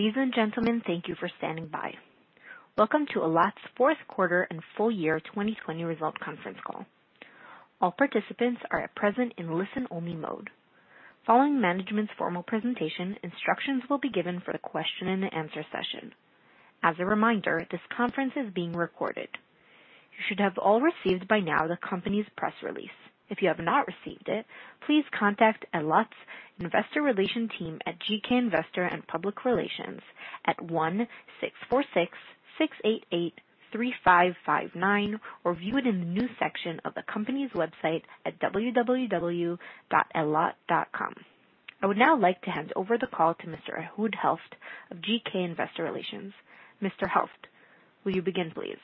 Ladies and gentlemen, thank you for standing by. Welcome to Allot's fourth quarter and full year 2020 result conference call. All participants are at present in listen-only mode. Following management's formal presentation, instructions will be given for the question and answer session. As a reminder, this conference is being recorded. You should have all received by now the company's press release. If you have not received it, please contact Allot's investor relation team at GK Investor & Public Relations at 1-646-688-3559 or view it in the new section of the company's website at www.allot.com. I would now like to hand over the call to Mr. Ehud Helft of GK Investor Relations. Mr. Helft, will you begin, please?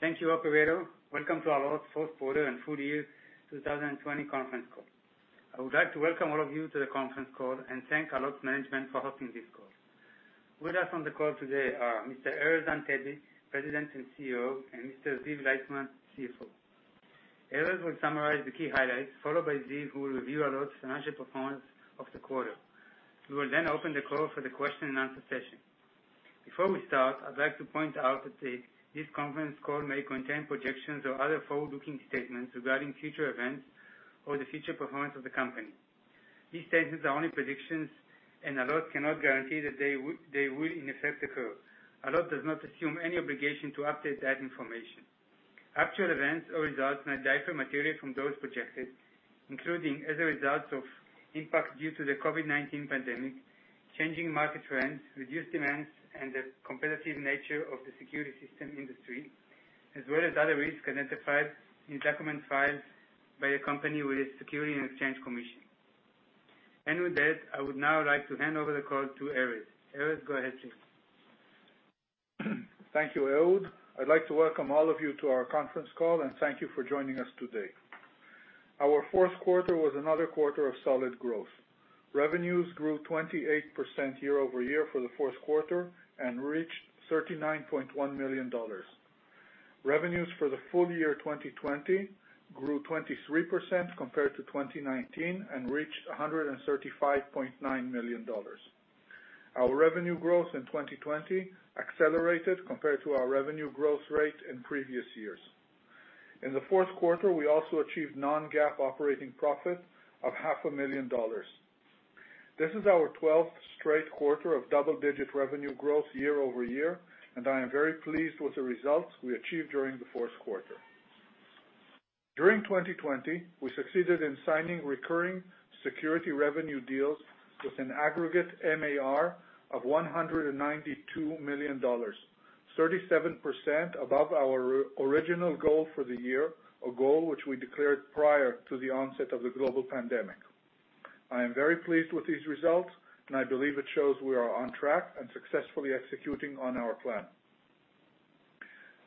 Thank you, operator. Welcome to Allot's fourth quarter and full year 2020 conference call. I would like to welcome all of you to the conference call and thank Allot's management for hosting this call. With us on the call today are Mr. Erez Antebi, President and CEO, and Mr. Ziv Leitman, CFO. Erez will summarize the key highlights, followed by Ziv, who will review Allot's financial performance of the quarter. We will then open the call for the question and answer session. Before we start, I'd like to point out that this conference call may contain projections or other forward-looking statements regarding future events or the future performance of the company. These statements are only predictions, and Allot cannot guarantee that they will in effect occur. Allot does not assume any obligation to update that information. Actual events or results may differ materially from those projected, including as a result of impact due to the COVID-19 pandemic, changing market trends, reduced demands, and the competitive nature of the security system industry, as well as other risks identified in documents filed by a company with its Securities and Exchange Commission. With that, I would now like to hand over the call to Erez. Erez, go ahead, please. Thank you, Ehud. I'd like to welcome all of you to our conference call, and thank you for joining us today. Our fourth quarter was another quarter of solid growth. Revenues grew 28% year-over-year for the fourth quarter and reached $39.1 million. Revenues for the full year 2020 grew 23% compared to 2019 and reached $135.9 million. Our revenue growth in 2020 accelerated compared to our revenue growth rate in previous years. In the fourth quarter, we also achieved non-GAAP operating profit of half a million dollars. This is our 12th straight quarter of double-digit revenue growth year-over-year, and I am very pleased with the results we achieved during the fourth quarter. During 2020, we succeeded in signing recurring security revenue deals with an aggregate MAR of $192 million, 37% above our original goal for the year, a goal which we declared prior to the onset of the global pandemic. I am very pleased with these results, and I believe it shows we are on track and successfully executing on our plan.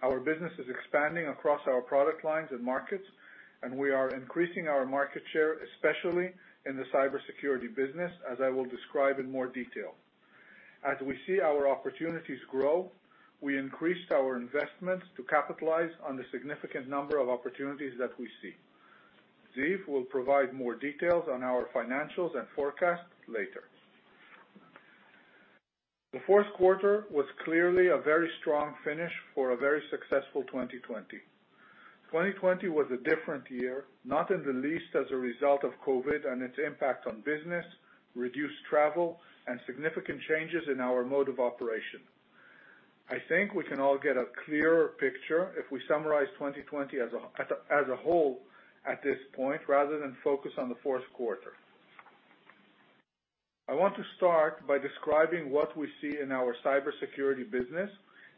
Our business is expanding across our product lines and markets, and we are increasing our market share, especially in the cybersecurity business, as I will describe in more detail. As we see our opportunities grow, we increased our investments to capitalize on the significant number of opportunities that we see. Ziv will provide more details on our financials and forecasts later. The fourth quarter was clearly a very strong finish for a very successful 2020. 2020 was a different year, not in the least as a result of COVID and its impact on business, reduced travel, and significant changes in our mode of operation. I think we can all get a clearer picture if we summarize 2020 as a whole at this point, rather than focus on the fourth quarter. I want to start by describing what we see in our cybersecurity business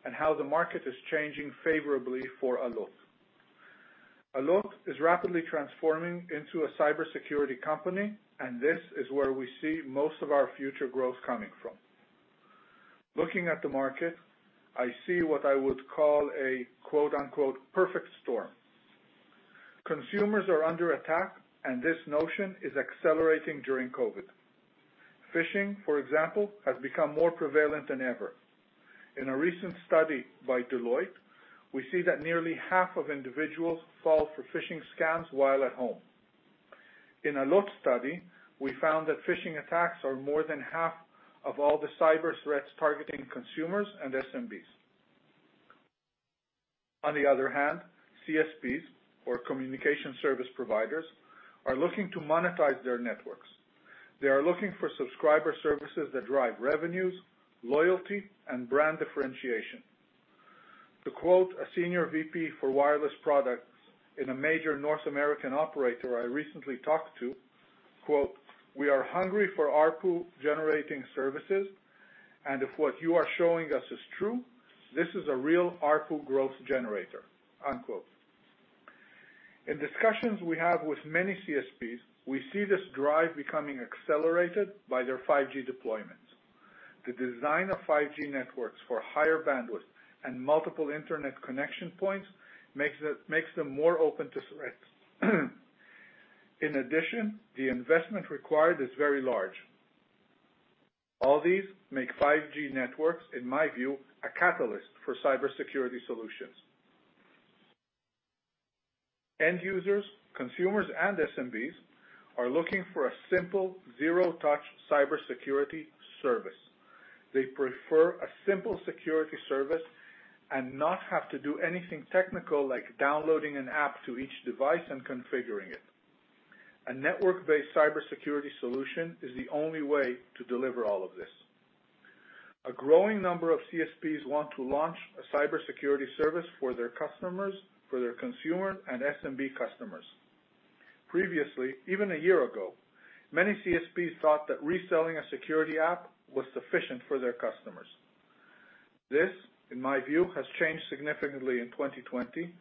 and how the market is changing favorably for Allot. Allot is rapidly transforming into a cybersecurity company, and this is where we see most of our future growth coming from. Looking at the market, I see what I would call a "perfect storm." Consumers are under attack, and this notion is accelerating during COVID. Phishing, for example, has become more prevalent than ever. In a recent study by Deloitte, we see that nearly half of individuals fall for phishing scams while at home. In Allot study, we found that phishing attacks are more than half of all the cyber threats targeting consumers and SMBs. On the other hand, CSPs or communication service providers, are looking to monetize their networks. They are looking for subscriber services that drive revenues, loyalty, and brand differentiation. To quote a senior VP for wireless products in a major North American operator I recently talked to, "We are hungry for ARPU-generating services, and if what you are showing us is true, this is a real ARPU growth generator." In discussions we have with many CSPs, we see this drive becoming accelerated by their 5G deployments. The design of 5G networks for higher bandwidth and multiple internet connection points makes them more open to threats. In addition, the investment required is very large. All these make 5G networks, in my view, a catalyst for cybersecurity solutions. End users, consumers, and SMBs are looking for a simple zero-touch cybersecurity service. They prefer a simple security service and not have to do anything technical, like downloading an app to each device and configuring it. A network-based cybersecurity solution is the only way to deliver all of this. A growing number of CSPs want to launch a cybersecurity service for their customers, for their consumer, and SMB customers. Previously, even one year ago, many CSPs thought that reselling a security app was sufficient for their customers. This, in my view, has changed significantly in 2020,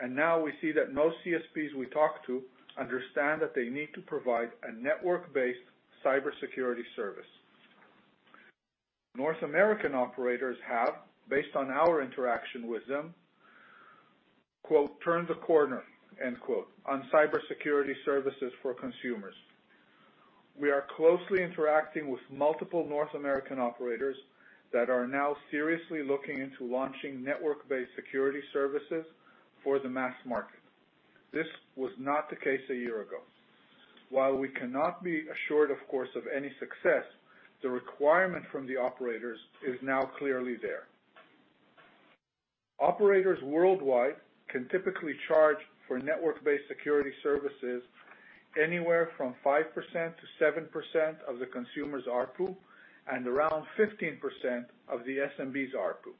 and now we see that most CSPs we talk to understand that they need to provide a network-based cybersecurity service. North American operators have, based on our interaction with them, quote, "turned the corner," end quote, on cybersecurity services for consumers. We are closely interacting with multiple North American operators that are now seriously looking into launching network-based security services for the mass market. This was not the case a year ago. While we cannot be assured, of course, of any success, the requirement from the operators is now clearly there. Operators worldwide can typically charge for network-based security services anywhere from 5%-7% of the consumer's ARPU, and around 15% of the SMB's ARPU.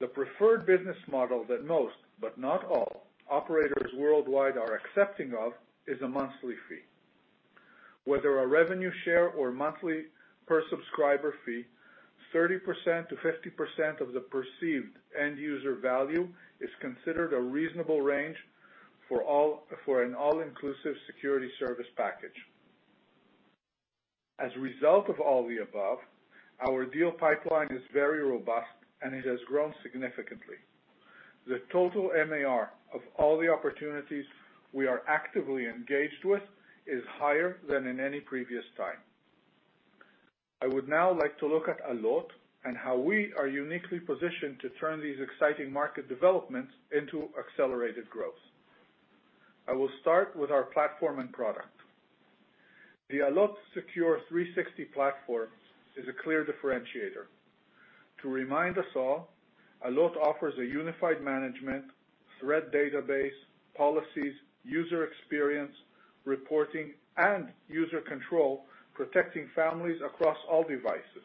The preferred business model that most, but not all, operators worldwide are accepting of is a monthly fee. Whether a revenue share or monthly per-subscriber fee, 30%-50% of the perceived end-user value is considered a reasonable range for an all-inclusive security service package. As a result of all the above, our deal pipeline is very robust, and it has grown significantly. The total MAR of all the opportunities we are actively engaged with is higher than in any previous time. I would now like to look at Allot and how we are uniquely positioned to turn these exciting market developments into accelerated growth. I will start with our platform and product. The Allot Secure 360 platform is a clear differentiator. To remind us all, Allot offers a unified management, threat database, policies, user experience, reporting, and user control, protecting families across all devices.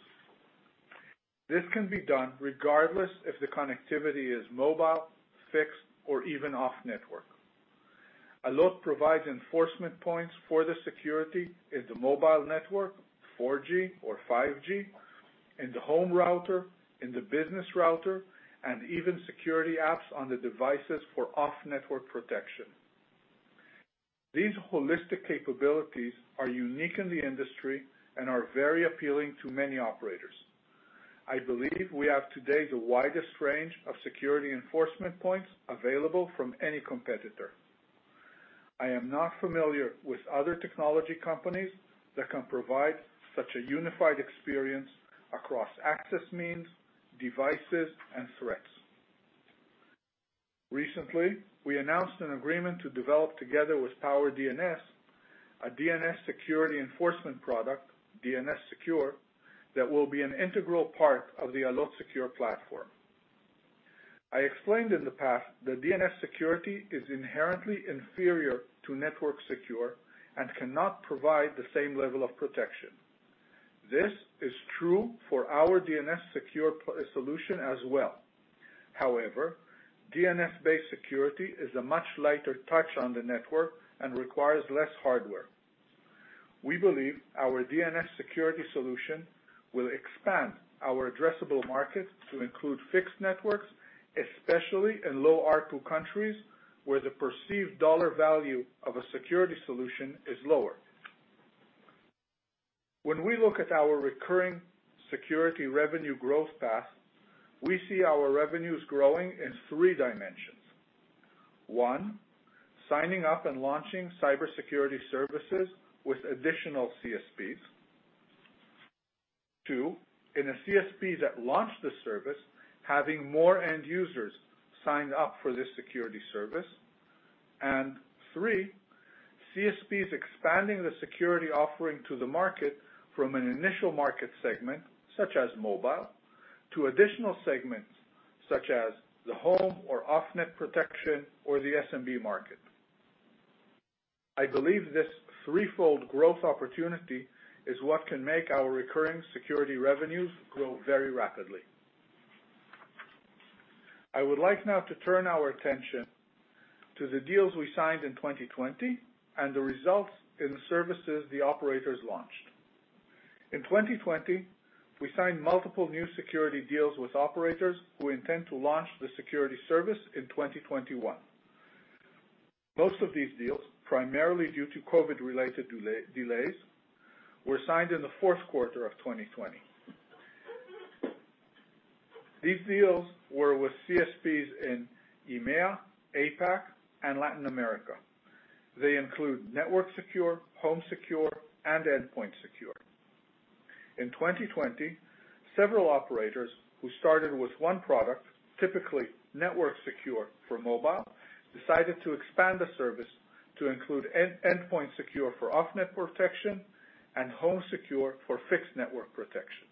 This can be done regardless if the connectivity is mobile, fixed, or even off network. Allot provides enforcement points for the security in the mobile network, 4G or 5G, in the home router, in the business router, and even security apps on the devices for off-network protection. These holistic capabilities are unique in the industry and are very appealing to many operators. I believe we have today the widest range of security enforcement points available from any competitor. I am not familiar with other technology companies that can provide such a unified experience across access means, devices, and threats. Recently, we announced an agreement to develop together with PowerDNS a DNS security enforcement product, DNS Secure, that will be an integral part of the Allot Secure platform. I explained in the past that DNS security is inherently inferior to NetworkSecure and cannot provide the same level of protection. This is true for our DNS Secure solution as well. However, DNS-based security is a much lighter touch on the network and requires less hardware. We believe our DNS security solution will expand our addressable market to include fixed networks, especially in low ARPU countries where the perceived dollar value of a security solution is lower. When we look at our recurring security revenue growth path, we see our revenues growing in three dimensions. One, signing up and launching cybersecurity services with additional CSPs. Two, in a CSP that launched the service, having more end users signed up for this security service. Three, CSPs expanding the security offering to the market from an initial market segment, such as mobile, to additional segments, such as the home or off-net protection or the SMB market. I believe this threefold growth opportunity is what can make our recurring security revenues grow very rapidly. I would like now to turn our attention to the deals we signed in 2020 and the results in the services the operators launched. In 2020, we signed multiple new security deals with operators who intend to launch the security service in 2021. Most of these deals, primarily due to COVID-related delays, were signed in the fourth quarter of 2020. These deals were with CSPs in EMEA, APAC, and Latin America. They include NetworkSecure, HomeSecure, and EndpointSecure. In 2020, several operators who started with one product, typically NetworkSecure for mobile, decided to expand the service to include EndpointSecure for off-net protection and HomeSecure for fixed network protection.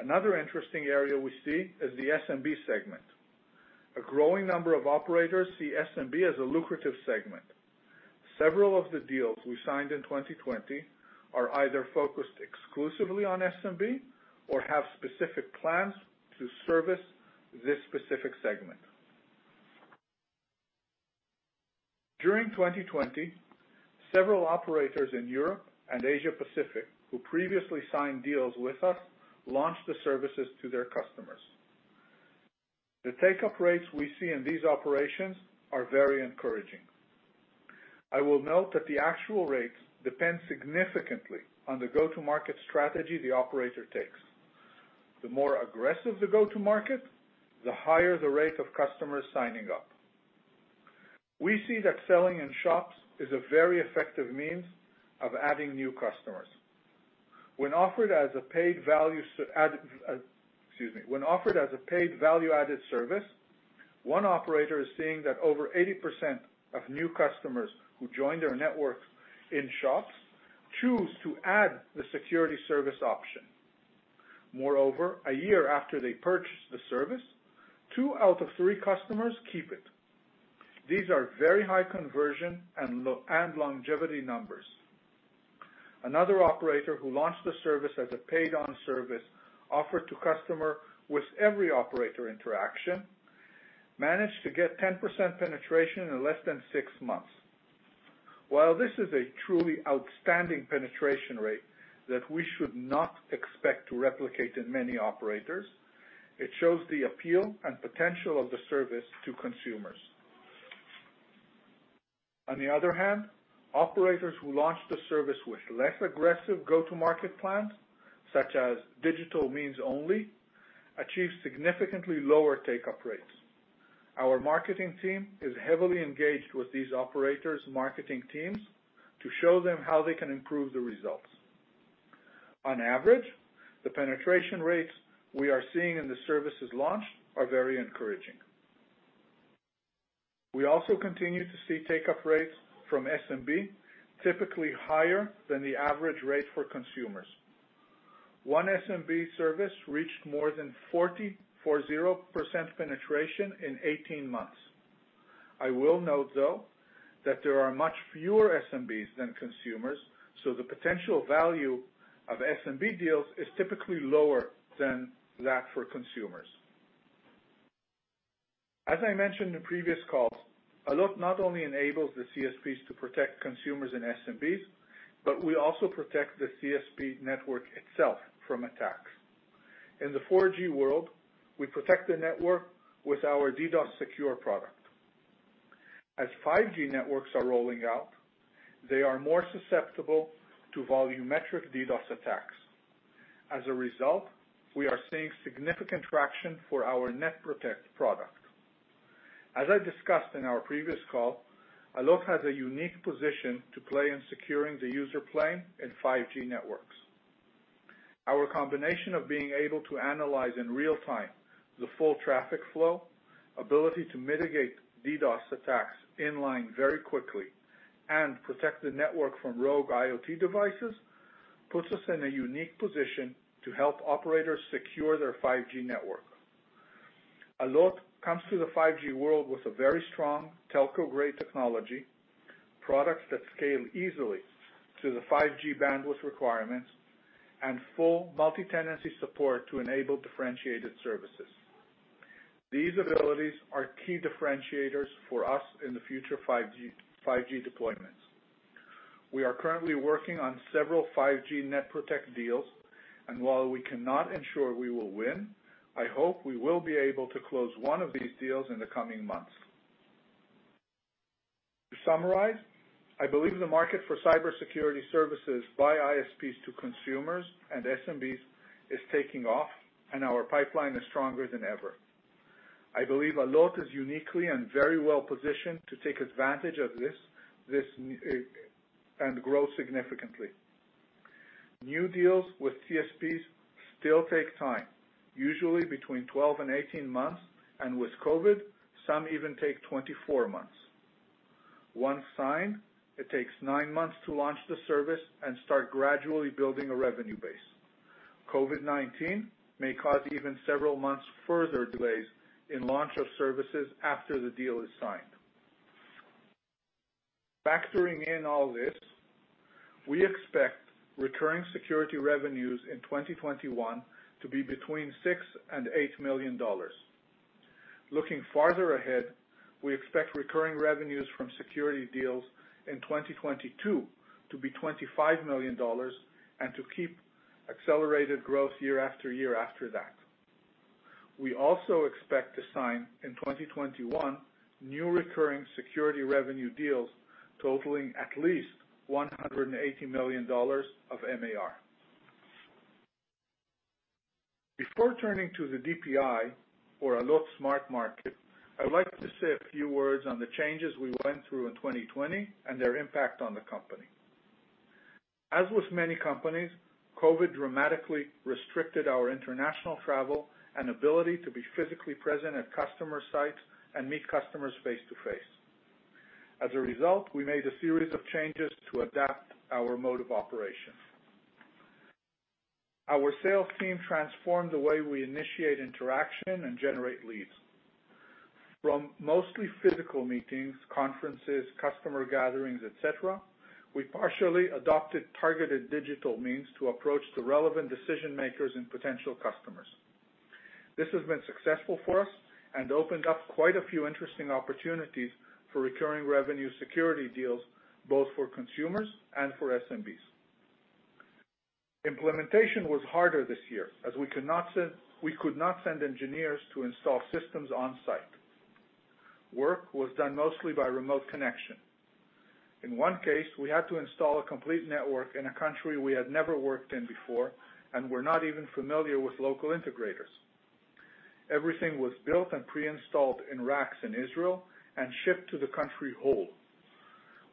Another interesting area we see is the SMB segment. A growing number of operators see SMB as a lucrative segment. Several of the deals we signed in 2020 are either focused exclusively on SMB or have specific plans to service this specific segment. During 2020, several operators in Europe and Asia Pacific, who previously signed deals with us, launched the services to their customers. The take-up rates we see in these operations are very encouraging. I will note that the actual rates depend significantly on the go-to-market strategy the operator takes. The more aggressive the go to market, the higher the rate of customers signing up. We see that selling in shops is a very effective means of adding new customers. When offered as a paid value-added service, one operator is seeing that over 80% of new customers who join their network in shops choose to add the security service option. Moreover, a year after they purchased the service, two out of three customers keep it. These are very high conversion and longevity numbers. Another operator who launched the service as a paid-on service offered to customer with every operator interaction, managed to get 10% penetration in less than six months. While this is a truly outstanding penetration rate that we should not expect to replicate in many operators, it shows the appeal and potential of the service to consumers. On the other hand, operators who launched the service with less aggressive go-to-market plans, such as digital means only, achieved significantly lower take-up rates. Our marketing team is heavily engaged with these operators' marketing teams to show them how they can improve the results. On average, the penetration rates we are seeing in the services launched are very encouraging. We also continue to see take-up rates from SMB typically higher than the average rate for consumers. One SMB service reached more than 40% penetration in 18 months. I will note, though, that there are much fewer SMBs than consumers, so the potential value of SMB deals is typically lower than that for consumers. As I mentioned in previous calls, Allot not only enables the CSPs to protect consumers and SMBs, but we also protect the CSP network itself from attacks. In the 4G world, we protect the network with our DDoS Secure product. As 5G networks are rolling out, they are more susceptible to volumetric DDoS attacks. As a result, we are seeing significant traction for our NetProtect product. As I discussed in our previous call, Allot has a unique position to play in securing the user plane in 5G networks. Our combination of being able to analyze in real time the full traffic flow, ability to mitigate DDoS attacks inline very quickly, and protect the network from rogue IoT devices, puts us in a unique position to help operators secure their 5G network. Allot comes to the 5G world with a very strong telco-grade technology, products that scale easily to the 5G bandwidth requirements, and full multi-tenancy support to enable differentiated services. These abilities are key differentiators for us in the future 5G deployments. While we cannot ensure we will win, I hope we will be able to close one of these deals in the coming months. To summarize, I believe the market for cybersecurity services by CSPs to consumers and SMBs is taking off. Our pipeline is stronger than ever. I believe Allot is uniquely and very well positioned to take advantage of this and grow significantly. New deals with CSPs still take time, usually between 12 and 18 months, and with COVID, some even take 24 months. Once signed, it takes nine months to launch the service and start gradually building a revenue base. COVID-19 may cause even several months further delays in launch of services after the deal is signed. Factoring in all this, we expect recurring security revenues in 2021 to be between $6 and $8 million. Looking farther ahead, we expect recurring revenues from security deals in 2022 to be $25 million, and to keep accelerated growth year after year after that. We also expect to sign in 2021 new recurring security revenue deals totaling at least $180 million of MAR. Before turning to the DPI for Allot Smart, I would like to say a few words on the changes we went through in 2020 and their impact on the company. As with many companies, COVID-19 dramatically restricted our international travel and ability to be physically present at customer sites and meet customers face-to-face. As a result, we made a series of changes to adapt our mode of operation. Our sales team transformed the way we initiate interaction and generate leads. From mostly physical meetings, conferences, customer gatherings, et cetera, we partially adopted targeted digital means to approach the relevant decision-makers and potential customers. This has been successful for us and opened up quite a few interesting opportunities for recurring revenue security deals, both for consumers and for SMBs. Implementation was harder this year, as we could not send engineers to install systems on-site. Work was done mostly by remote connection. In one case, we had to install a complete network in a country we had never worked in before and were not even familiar with local integrators. Everything was built and pre-installed in racks in Israel and shipped to the country whole.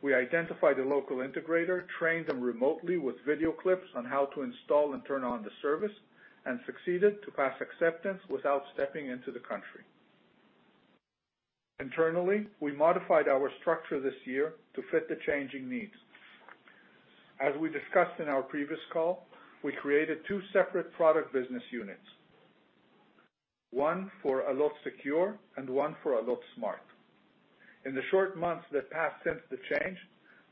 We identified a local integrator, trained them remotely with video clips on how to install and turn on the service, and succeeded to pass acceptance without stepping into the country. Internally, we modified our structure this year to fit the changing needs. As we discussed in our previous call, we created two separate product business units, one for Allot Secure and one for Allot Smart. In the short months that passed since the change,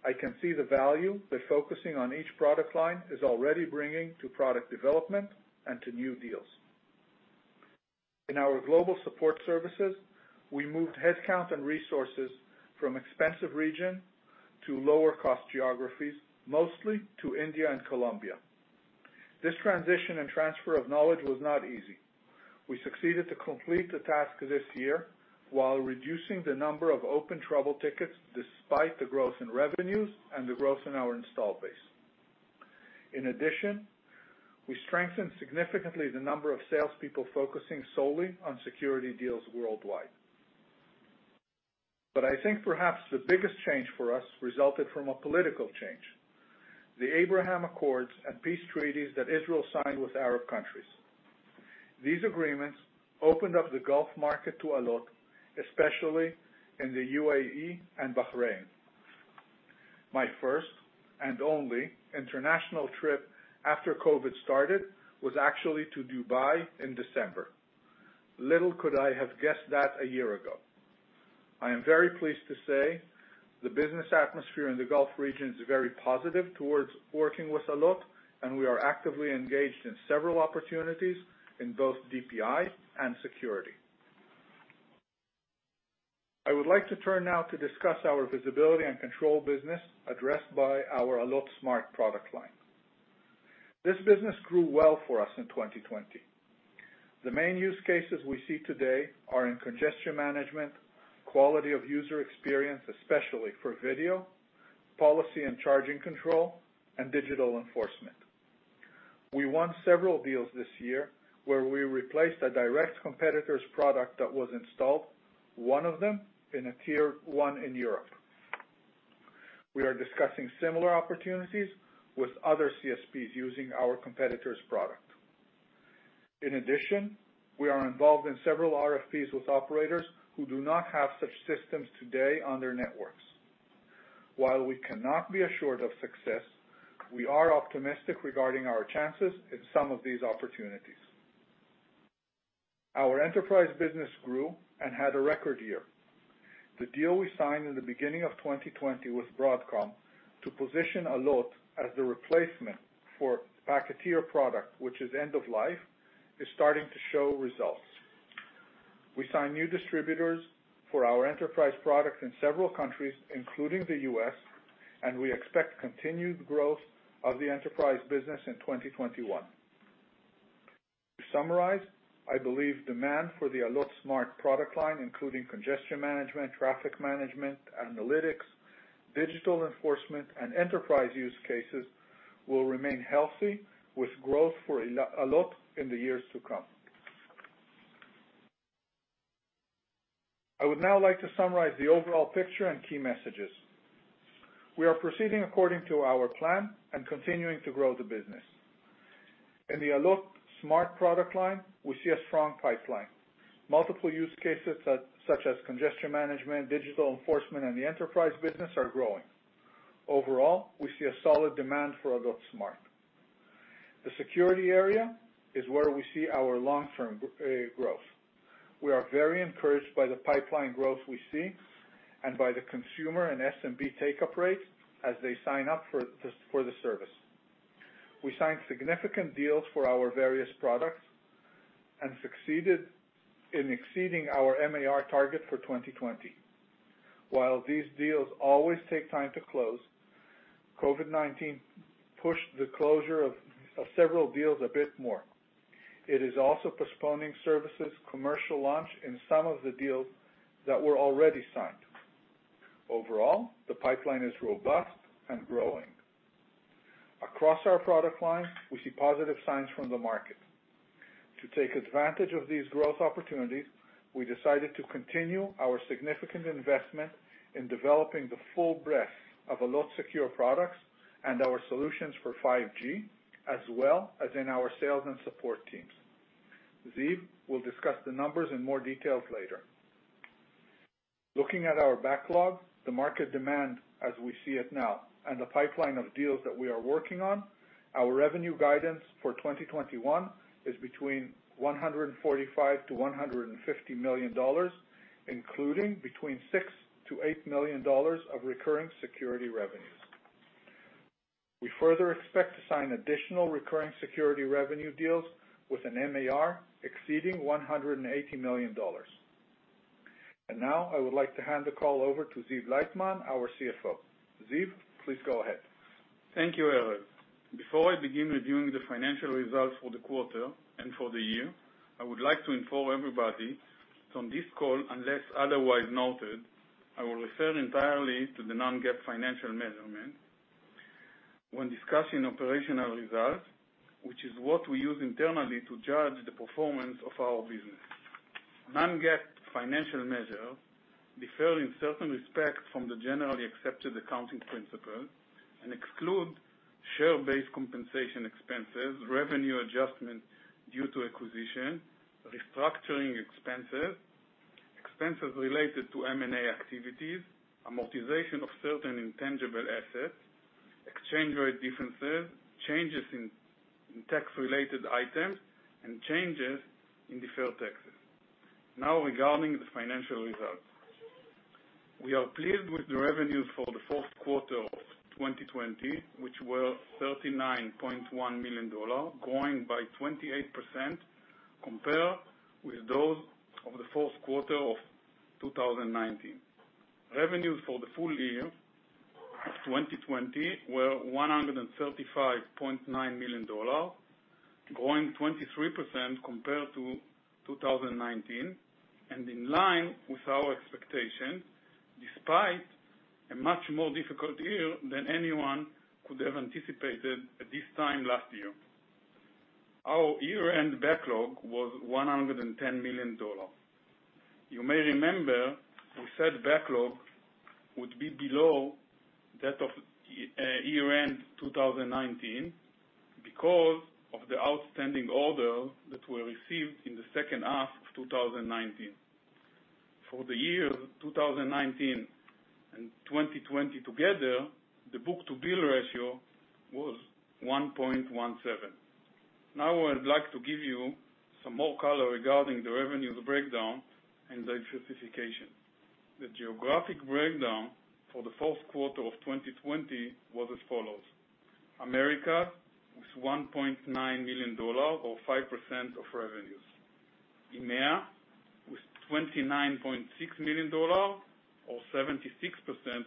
I can see the value that focusing on each product line is already bringing to product development and to new deals. In our global support services, we moved headcount and resources from expensive region to lower cost geographies, mostly to India and Colombia. This transition and transfer of knowledge was not easy. We succeeded to complete the task this year while reducing the number of open trouble tickets, despite the growth in revenues and the growth in our installed base. In addition, we strengthened significantly the number of salespeople focusing solely on security deals worldwide. I think perhaps the biggest change for us resulted from a political change, the Abraham Accords and peace treaties that Israel signed with Arab countries. These agreements opened up the Gulf market to Allot, especially in the UAE and Bahrain. My first and only international trip after COVID started was actually to Dubai in December. Little could I have guessed that a year ago. I am very pleased to say the business atmosphere in the Gulf region is very positive towards working with Allot, and we are actively engaged in several opportunities in both DPI and security. I would like to turn now to discuss our visibility and control business addressed by our Allot Smart product line. This business grew well for us in 2020. The main use cases we see today are in congestion management, quality of user experience, especially for video, policy and charging control, and digital enforcement. We won several deals this year where we replaced a direct competitor's product that was installed, one of them in a tier 1 in Europe. We are discussing similar opportunities with other CSPs using our competitor's product. In addition, we are involved in several RFPs with operators who do not have such systems today on their networks. While we cannot be assured of success, we are optimistic regarding our chances in some of these opportunities. Our enterprise business grew and had a record year. The deal we signed in the beginning of 2020 with Broadcom to position Allot as the replacement for PacketShaper product, which is end of life, is starting to show results. We signed new distributors for our enterprise products in several countries, including the U.S., and we expect continued growth of the enterprise business in 2021. To summarize, I believe demand for the Allot Smart product line, including congestion management, traffic management, analytics, digital enforcement, and enterprise use cases, will remain healthy with growth for Allot in the years to come. I would now like to summarize the overall picture and key messages. We are proceeding according to our plan and continuing to grow the business. In the Allot Smart product line, we see a strong pipeline. Multiple use cases, such as congestion management, digital enforcement, and the enterprise business, are growing. Overall, we see a solid demand for Allot Smart. The security area is where we see our long-term growth. We are very encouraged by the pipeline growth we see and by the consumer and SMB take-up rate as they sign up for the service. We signed significant deals for our various products and succeeded in exceeding our MAR target for 2020. While these deals always take time to close, COVID-19 pushed the closure of several deals a bit more. It is also postponing services commercial launch in some of the deals that were already signed. Overall, the pipeline is robust and growing. Across our product line, we see positive signs from the market. To take advantage of these growth opportunities, we decided to continue our significant investment in developing the full breadth of Allot Secure products and our solutions for 5G, as well as in our sales and support teams. Ziv will discuss the numbers in more details later. Looking at our backlog, the market demand as we see it now, and the pipeline of deals that we are working on, our revenue guidance for 2021 is between $145 million-$150 million, including between $6 million-$8 million of recurring security revenues. We further expect to sign additional recurring security revenue deals with an MAR exceeding $180 million. Now, I would like to hand the call over to Ziv Leitman, our CFO. Ziv, please go ahead. Thank you, Erez. Before I begin reviewing the financial results for the quarter and for the year, I would like to inform everybody on this call, unless otherwise noted, I will refer entirely to the non-GAAP financial measurements when discussing operational results, which is what we use internally to judge the performance of our business. Non-GAAP financial measures differ in certain respects from the generally accepted accounting principles and exclude share-based compensation expenses, revenue adjustments due to acquisition, restructuring expenses related to M&A activities, amortization of certain intangible assets, exchange rate differences, changes in tax-related items, and changes in deferred taxes. Now, regarding the financial results. We are pleased with the revenues for the fourth quarter of 2020, which were $39.1 million, growing by 28% compared with those of the fourth quarter of 2019. Revenues for the full year of 2020 were $135.9 million, growing 23% compared to 2019. In line with our expectation, despite a much more difficult year than anyone could have anticipated at this time last year. Our year-end backlog was $110 million. You may remember we said backlog would be below that of year-end 2019 because of the outstanding orders that were received in the second half of 2019. For the year 2019 and 2020 together, the book-to-bill ratio was 1.17. I would like to give you some more color regarding the revenue breakdown and the certification. The geographic breakdown for the fourth quarter of 2020 was as follows: Americas was $1.9 million, or 5% of revenues. EMEA was $29.6 million, or 76%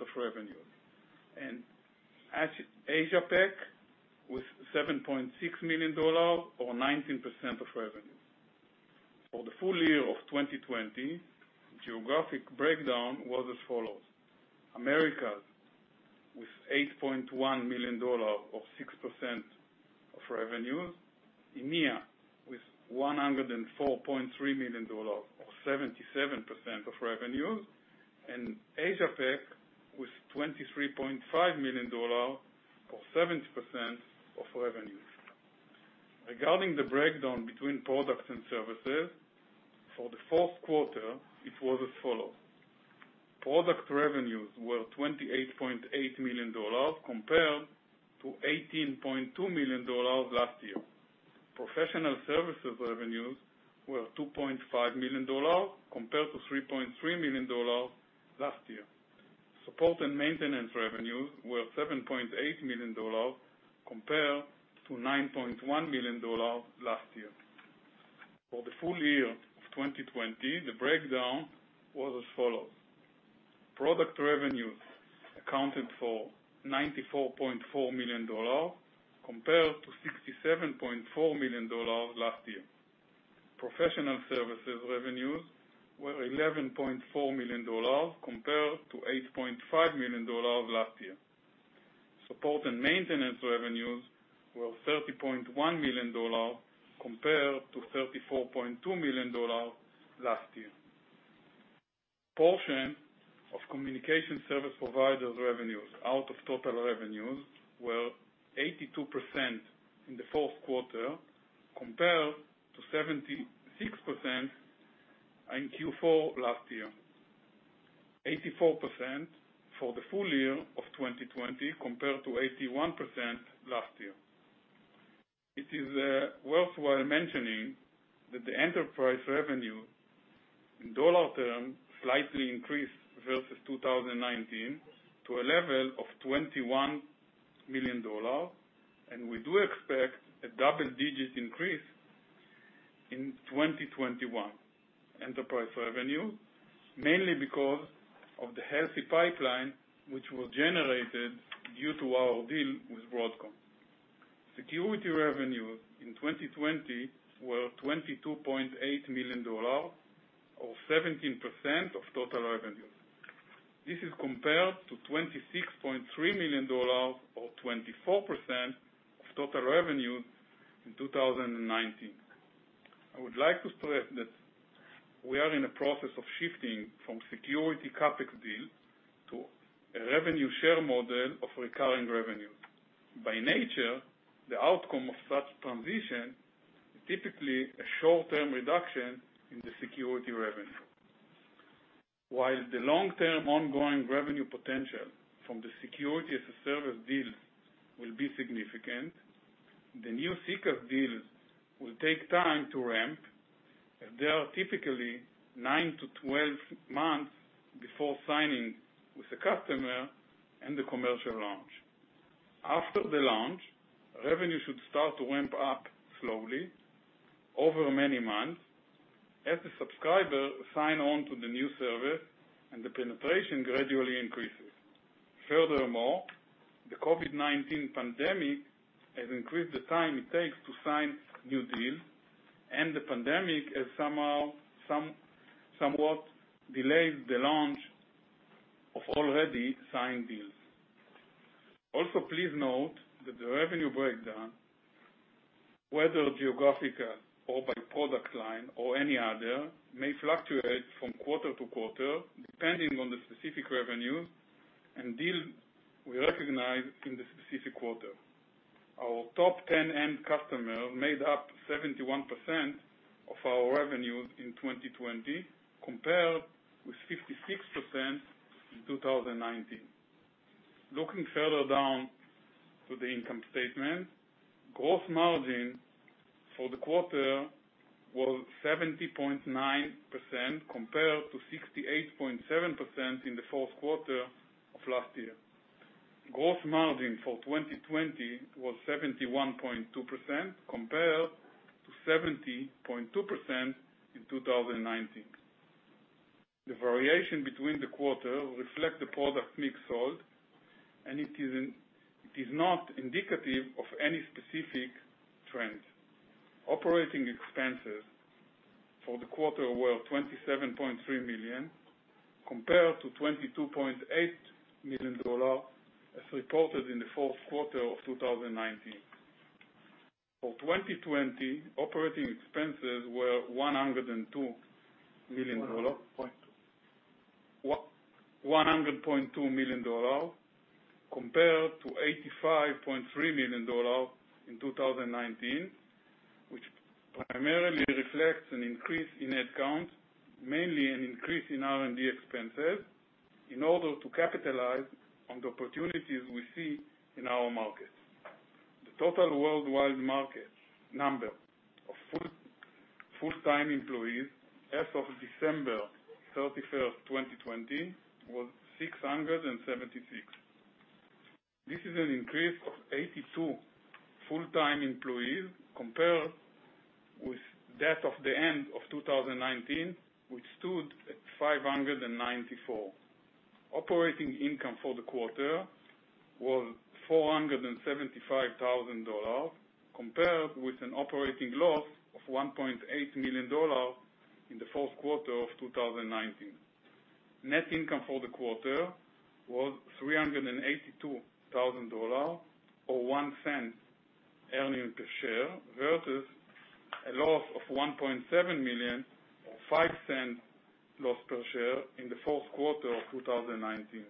of revenues. Asia Pac was $7.6 million, or 19% of revenues. For the full year of 2020, geographic breakdown was as follows: Americas with $8.1 million, or 6% of revenues. EMEA with $104.3 million, or 77% of revenues, and Asia Pac with $23.5 million, or 7% of revenues. Regarding the breakdown between products and services, for the fourth quarter, it was as follows. Product revenues were $28.8 million compared to $18.2 million last year. Professional services revenues were $2.5 million, compared to $3.3 million last year. Support and maintenance revenues were $7.8 million, compared to $9.1 million last year. For the full year of 2020, the breakdown was as follows. Product revenues accounted for $94.4 million, compared to $67.4 million last year. Professional services revenues were $11.4 million, compared to $8.5 million last year. Support and maintenance revenues were $30.1 million, compared to $34.2 million last year. Portion of communication service providers revenues out of total revenues were 82% in the fourth quarter, compared to 76% in Q4 last year. 84% for the full year of 2020, compared to 81% last year. It is worthwhile mentioning that the enterprise revenue in dollar terms slightly increased versus 2019, to a level of $21 million, and we do expect a double-digit increase in 2021 enterprise revenue, mainly because of the healthy pipeline, which was generated due to our deal with Broadcom. Security revenues in 2020 were $22.8 million or 17% of total revenues. This is compared to $26.3 million or 24% of total revenues in 2019. I would like to stress that we are in a process of shifting from security CapEx deals to a revenue share model of recurring revenues. By nature, the outcome of such transition, typically, a short-term reduction in the security revenue. While the long-term ongoing revenue potential from the Security as a Service deals will be significant, the new SECaaS deals will take time to ramp, and they are typically nine to 12 months before signing with the customer and the commercial launch. After the launch, revenue should start to ramp up slowly over many months as the subscriber sign on to the new service and the penetration gradually increases. Furthermore, the COVID-19 pandemic has increased the time it takes to sign new deals, and the pandemic has somewhat delayed the launch of already signed deals. Please note that the revenue breakdown, whether geographical or by product line or any other, may fluctuate from quarter to quarter depending on the specific revenue and deals we recognize in the specific quarter. Our top 10 end customers made up 71% of our revenues in 2020, compared with 56% in 2019. Looking further down to the income statement, gross margin for the quarter was 70.9% compared to 68.7% in the fourth quarter of last year. Gross margin for 2020 was 71.2% compared to 70.2% in 2019. The variation between the quarter reflect the product mix sold, It is not indicative of any specific trend. Operating expenses for the quarter were $27.3 million, compared to $22.8 million as reported in the fourth quarter of 2019. For 2020, operating expenses were $100.2 million compared to $85.3 million in 2019, which primarily reflects an increase in head count, mainly an increase in R&D expenses in order to capitalize on the opportunities we see in our market. The total worldwide market number of full-time employees as of December 31st, 2020, was 676. This is an increase of 82 full-time employees compared with that of the end of 2019, which stood at 594. Operating income for the quarter was $475,000, compared with an operating loss of $1.8 million in the fourth quarter of 2019. Net income for the quarter was $382,000, or $0.01 earnings per share, versus a loss of $1.7 million or $0.05 loss per share in the fourth quarter of 2019.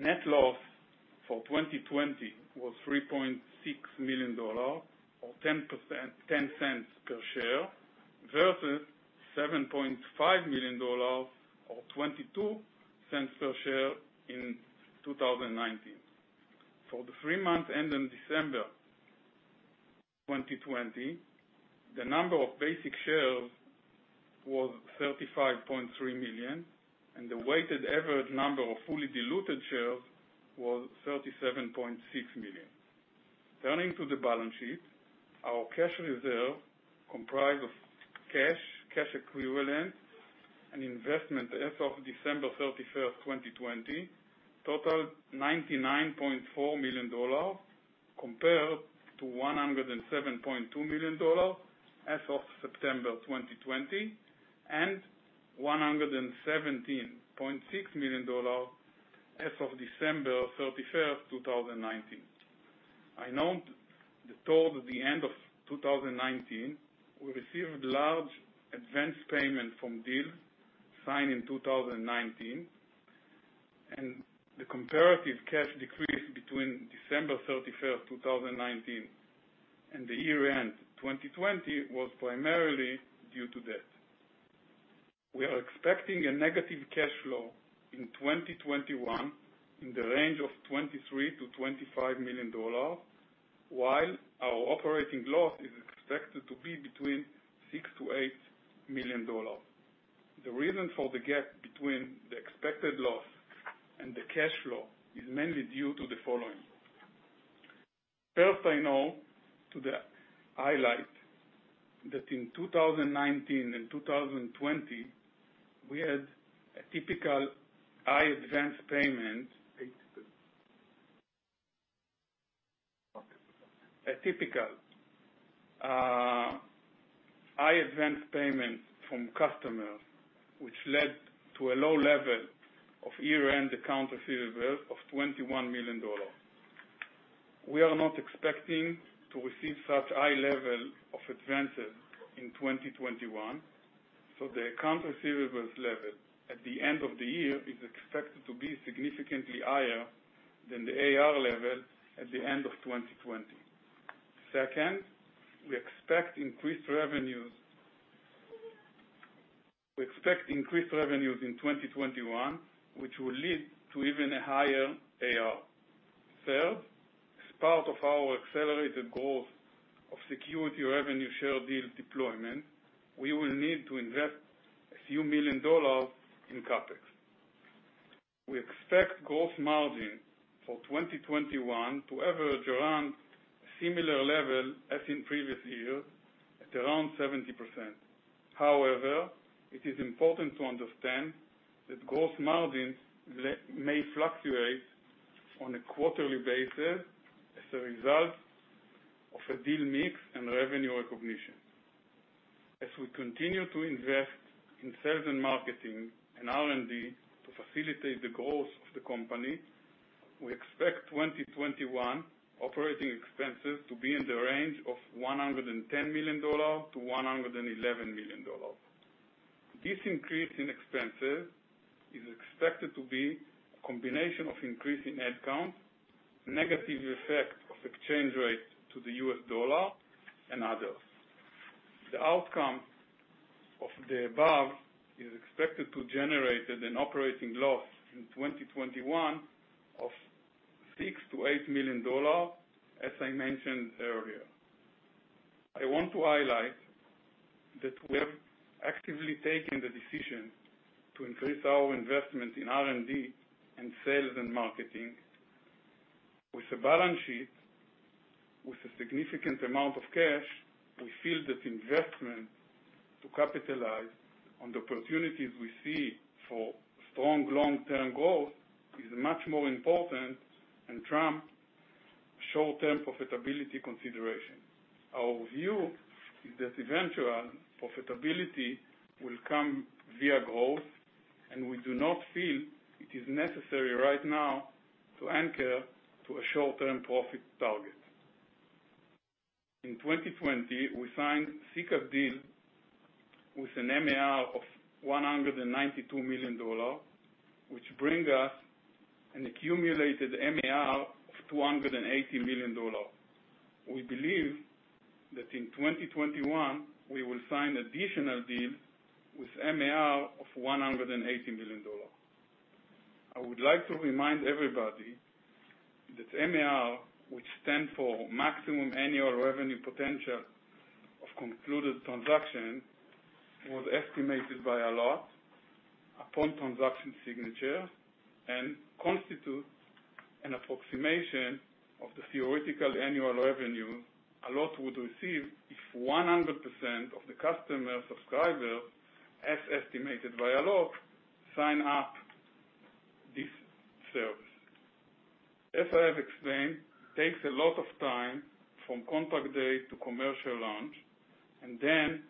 Net loss for 2020 was $3.6 million or $0.10 per share, versus $7.5 million or $0.22 per share in 2019. For the three months ending December 2020, the number of basic shares was 35.3 million, and the weighted average number of fully diluted shares was 37.6 million. Turning to the balance sheet, our cash reserve comprised of cash equivalent, and investment as of December 31st, 2020, totaled $99.4 million compared to $107.2 million as of September 2020, and $117.6 million as of December 31st, 2019. I note that toward the end of 2019, we received large advanced payment from deals signed in 2019, and the comparative cash decrease between December 31st, 2019, and the year-end 2020, was primarily due to that. We are expecting a negative cash flow in 2021 in the range of $23 million-$25 million, while our operating loss is expected to be between $6 million-$8 million. The reason for the gap between the expected loss and the cash flow is mainly due to the following. First, I know to the highlightThat in 2019 and 2020, we had a typical high advance payment from customers, which led to a low level of year-end accounts receivable of $21 million. We are not expecting to receive such high level of advances in 2021, so the accounts receivables level at the end of the year is expected to be significantly higher than the AR level at the end of 2020. Second, we expect increased revenues in 2021, which will lead to even a higher AR. Third, as part of our accelerated growth of security revenue share deal deployment, we will need to invest a few million dollars in CapEx. We expect gross margin for 2021 to average around similar level as in previous years, at around 70%. However, it is important to understand that gross margins may fluctuate on a quarterly basis as a result of a deal mix and revenue recognition. As we continue to invest in sales and marketing and R&D to facilitate the growth of the company, we expect 2021 operating expenses to be in the range of $110 million-$111 million. This increase in expenses is expected to be a combination of increase in head count, negative effect of exchange rate to the US dollar, and others. The outcome of the above is expected to generate an operating loss in 2021 of $6 million-$8 million, as I mentioned earlier. I want to highlight that we have actively taken the decision to increase our investment in R&D and sales and marketing. With a balance sheet with a significant amount of cash, we feel that investment to capitalize on the opportunities we see for strong long-term growth is much more important and trump short-term profitability consideration. Our view is that eventual profitability will come via growth, and we do not feel it is necessary right now to anchor to a short-term profit target. In 2020, we signed six deals with an MAR of $192 million, which bring us an accumulated MAR of $280 million. We believe that in 2021, we will sign additional deals with MAR of $180 million. I would like to remind everybody that MAR, which stand for maximum annual revenue potential of concluded transaction, was estimated by Allot upon transaction signature, and constitutes an approximation of the theoretical annual revenue Allot would receive if 100% of the customer subscribers, as estimated by Allot, sign up this service. As I have explained, takes a lot of time from contract date to commercial launch, and then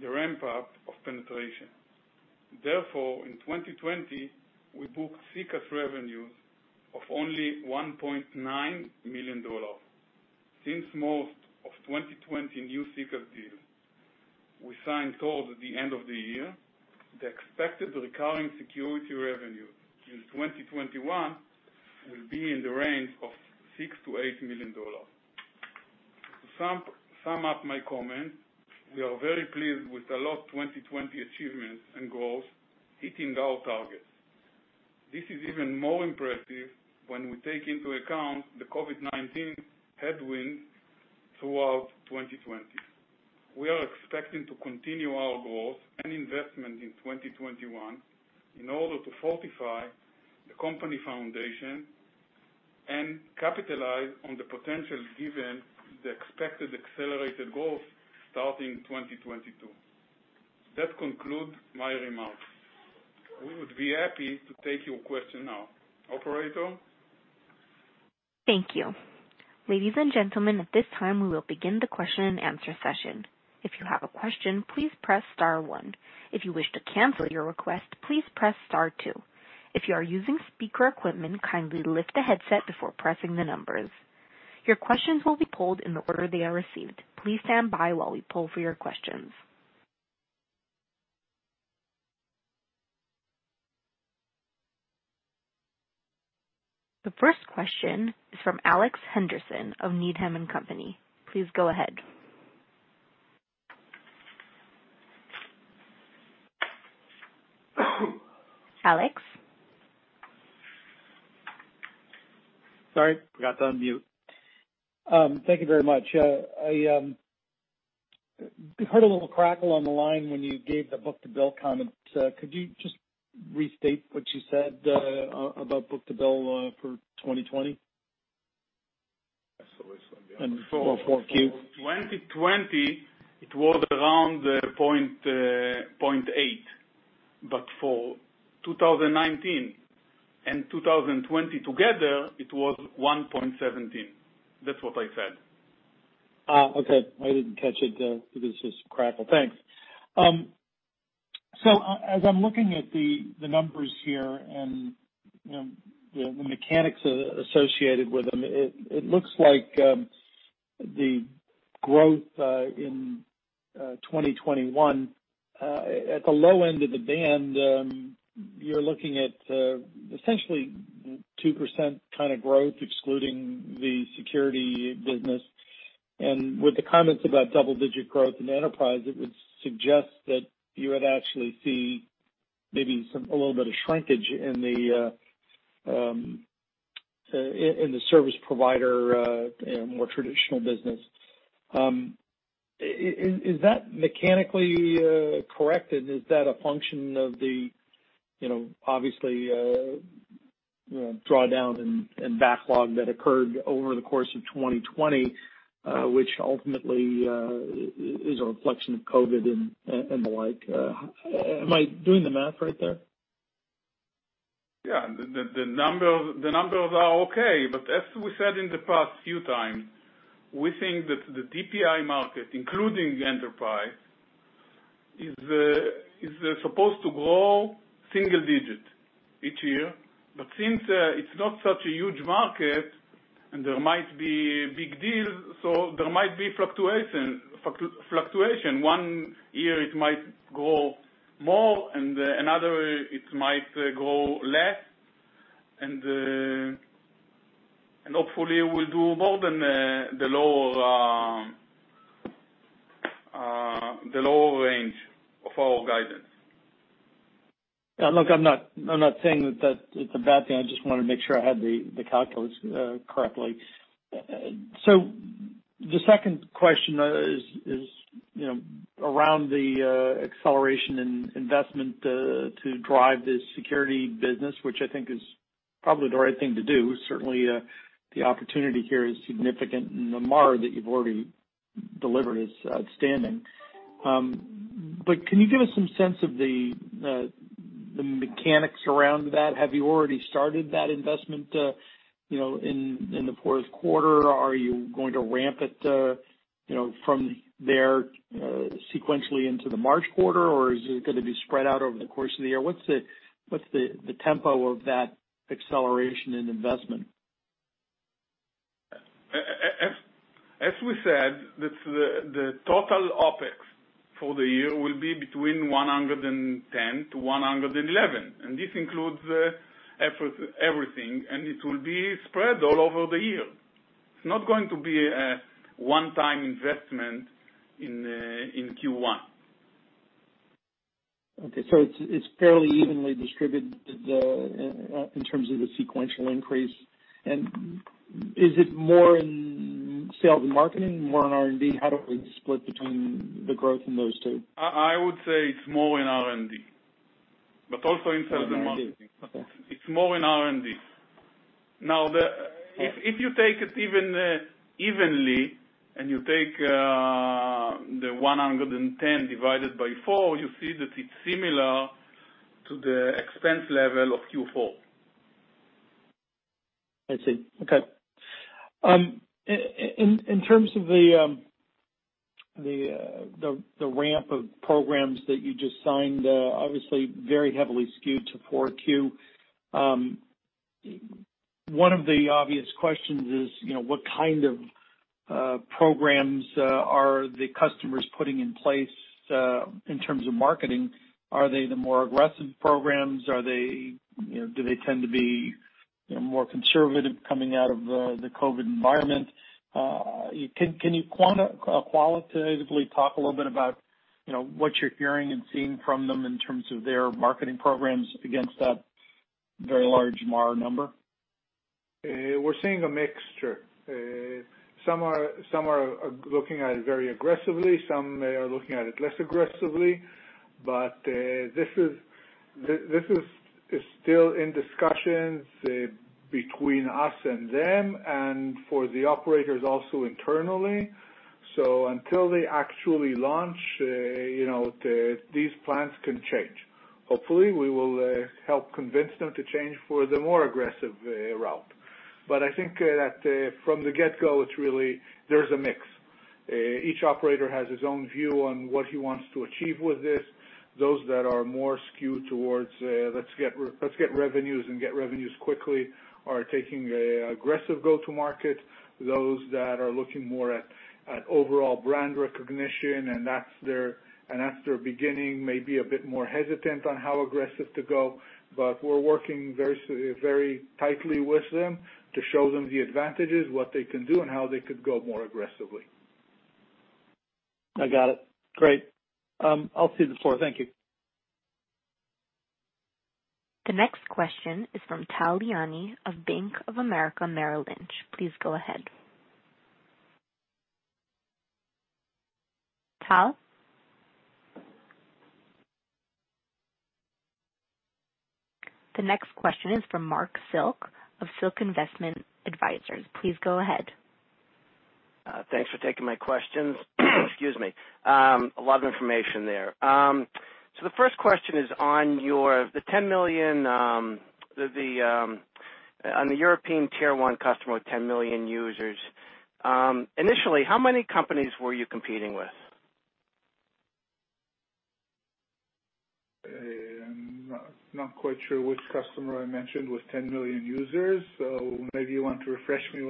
the ramp-up of penetration. Therefore, in 2020, we booked Secure revenues of only $1.9 million. Since most of 2020 new Secure deals we signed towards the end of the year, the expected recurring security revenue in 2021 will be in the range of $6 million-$8 million. To sum up my comments, we are very pleased with Allot 2020 achievements and growth, hitting our targets. This is even more impressive when we take into account the COVID-19 headwind throughout 2020. We are expecting to continue our growth and investment in 2021 in order to fortify the company foundation and capitalize on the potential given the expected accelerated growth starting 2022. That conclude my remarks. We would be happy to take your question now. Operator? Thank you ladies and gentlemen at this time. We will begin the question and answer session. If you have a question, please press star one. If you wish to cancel your request, please press star two. If you are using speaker equipment, kindly lift the headset before pressing the numbers. Your questions will be pulled in the order they are received. Please stand by while we poll for your questions. The first question is from Alex Henderson of Needham & Company. Please go ahead. Alex? Sorry, forgot to unmute. Thank you very much. I heard a little crackle on the line when you gave the book-to-bill comment. Could you just restate what you said about book-to-bill for 2020? For 2020, it was around 0.8, but for 2019 and 2020 together, it was 1.17. That's what I said. Okay. I didn't catch it. It was just crackle. Thanks. As I'm looking at the numbers here and the mechanics associated with them, it looks like the growth, in 2021, at the low end of the band, you're looking at essentially 2% kind of growth, excluding the security business. With the comments about double-digit growth in enterprise, it would suggest that you would actually see maybe a little bit of shrinkage in the service provider, more traditional business. Is that mechanically correct? Is that a function of the, obviously, drawdown and backlog that occurred over the course of 2020, which ultimately, is a reflection of COVID and the like? Am I doing the math right there? Yeah. The numbers are okay. As we said in the past few times, we think that the DPI market, including the enterprise, is supposed to grow single digit each year. Since it's not such a huge market, and there might be big deals, there might be fluctuation. One year it might grow more, and another, it might grow less. Hopefully, we'll do more than the lower range of our guidance. Yeah. Look, I'm not saying that it's a bad thing. I just want to make sure I had the calculus correctly. The second question is around the acceleration in investment to drive this security business, which I think is probably the right thing to do. Certainly, the opportunity here is significant, and the MAR that you've already delivered is outstanding. Can you give us some sense of the mechanics around that? Have you already started that investment in the fourth quarter? Are you going to ramp it from there sequentially into the March quarter, or is it going to be spread out over the course of the year? What's the tempo of that acceleration in investment? As we said, the total OpEx for the year will be between $110-$111. This includes everything. It will be spread all over the year. It's not going to be a one-time investment in Q1. Okay, it's fairly evenly distributed in terms of the sequential increase. Is it more in sales and marketing, more in R&D? How do we split between the growth in those two? I would say it's more in R&D, but also in sales and marketing. Okay. It's more in R&D. Now, if you take it evenly, and you take the 110 divided by four, you see that it's similar to the expense level of Q4. I see. Okay. In terms of the ramp of programs that you just signed, obviously very heavily skewed to 4Q. One of the obvious questions is, what kind of programs are the customers putting in place, in terms of marketing? Are they the more aggressive programs? Do they tend to be more conservative coming out of the COVID-19 environment? Can you qualitatively talk a little bit about what you're hearing and seeing from them in terms of their marketing programs against that very large MAR number? We're seeing a mixture. Some are looking at it very aggressively. Some are looking at it less aggressively. This is still in discussions between us and them and for the operators also internally. Until they actually launch, these plans can change. Hopefully, we will help convince them to change for the more aggressive route. I think that from the get-go, there's a mix. Each operator has his own view on what he wants to achieve with this. Those that are more skewed towards let's get revenues and get revenues quickly are taking an aggressive go-to-market. Those that are looking more at overall brand recognition, and that's their beginning, may be a bit more hesitant on how aggressive to go. We're working very tightly with them to show them the advantages, what they can do, and how they could go more aggressively. I got it. Great. I'll see you on the floor. Thank you. The next question is from Tal Liani of Bank of America Merrill Lynch. Please go ahead. Tal? The next question is from Marc Silk of Silk Investment Advisors. Please go ahead. Thanks for taking my questions. Excuse me. A lot of information there. The first question is on the European Tier 1 customer with 10 million users. Initially, how many companies were you competing with? I'm not quite sure which customer I mentioned with 10 million users, so maybe you want to refresh me.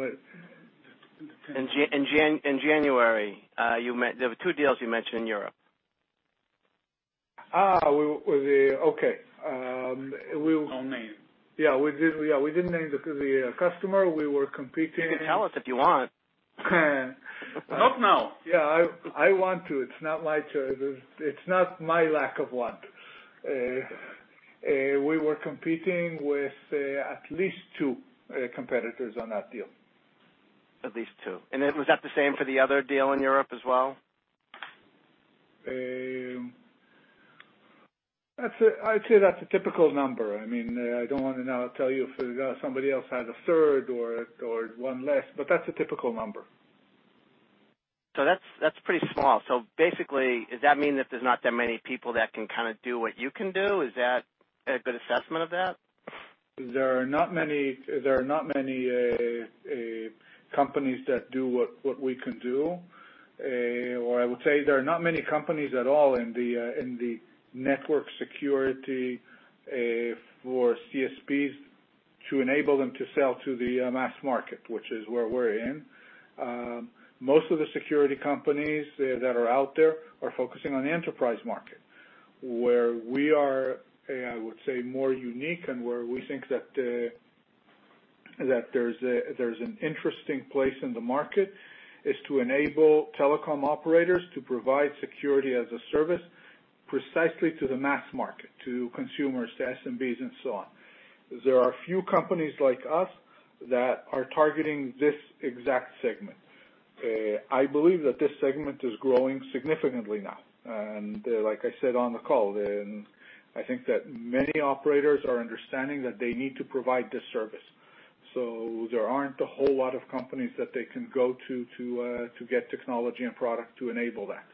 In January. There were two deals you mentioned in Europe. Okay. No name. Yeah. We didn't name the customer. You can tell us if you want. Not now. It's not my choice. It's not my lack of want. We were competing with at least two competitors on that deal. At least two. Was that the same for the other deal in Europe as well? I'd say that's a typical number. I don't want to now tell you if somebody else has a third or one less, but that's a typical number. That's pretty small. Basically, does that mean that there's not that many people that can do what you can do? Is that a good assessment of that? There are not many companies that do what we can do, or I would say there are not many companies at all in the network security, for CSPs to enable them to sell to the mass market, which is where we're in. Most of the security companies that are out there are focusing on the enterprise market, where we are, I would say, more unique and where we think that there's an interesting place in the market, is to enable telecom operators to provide Security as a Service precisely to the mass market, to consumers, to SMBs and so on. There are few companies like us that are targeting this exact segment. I believe that this segment is growing significantly now. Like I said on the call, I think that many operators are understanding that they need to provide this service. There aren't a whole lot of companies that they can go to to get technology and product to enable that.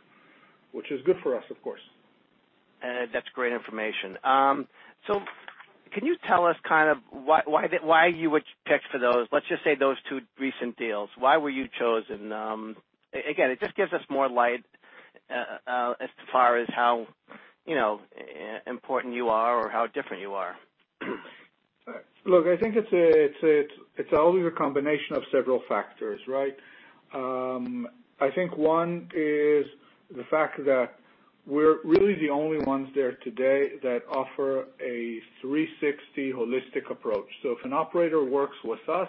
Which is good for us, of course. That's great information. Can you tell us why you were picked for those, let's just say those two recent deals. Why were you chosen? Again, it just gives us more light as far as how important you are or how different you are. Look, I think it's always a combination of several factors, right? I think one is the fact that we're really the only ones there today that offer a 360 holistic approach. If an operator works with us,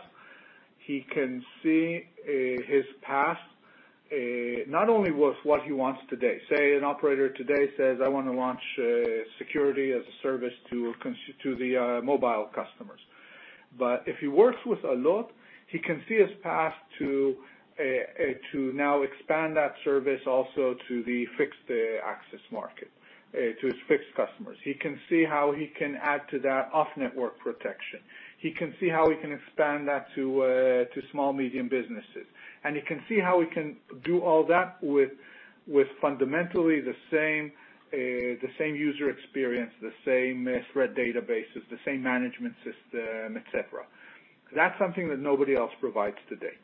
he can see his path, not only with what he wants today. Say, an operator today says, "I want to launch Security as a Service to the mobile customers." If he works with Allot, he can see his path to now expand that service also to the fixed access market, to his fixed customers. He can see how he can add to that off-network protection. He can see how he can expand that to small, medium businesses. He can see how he can do all that with fundamentally the same user experience, the same threat databases, the same management system, et cetera. That's something that nobody else provides today.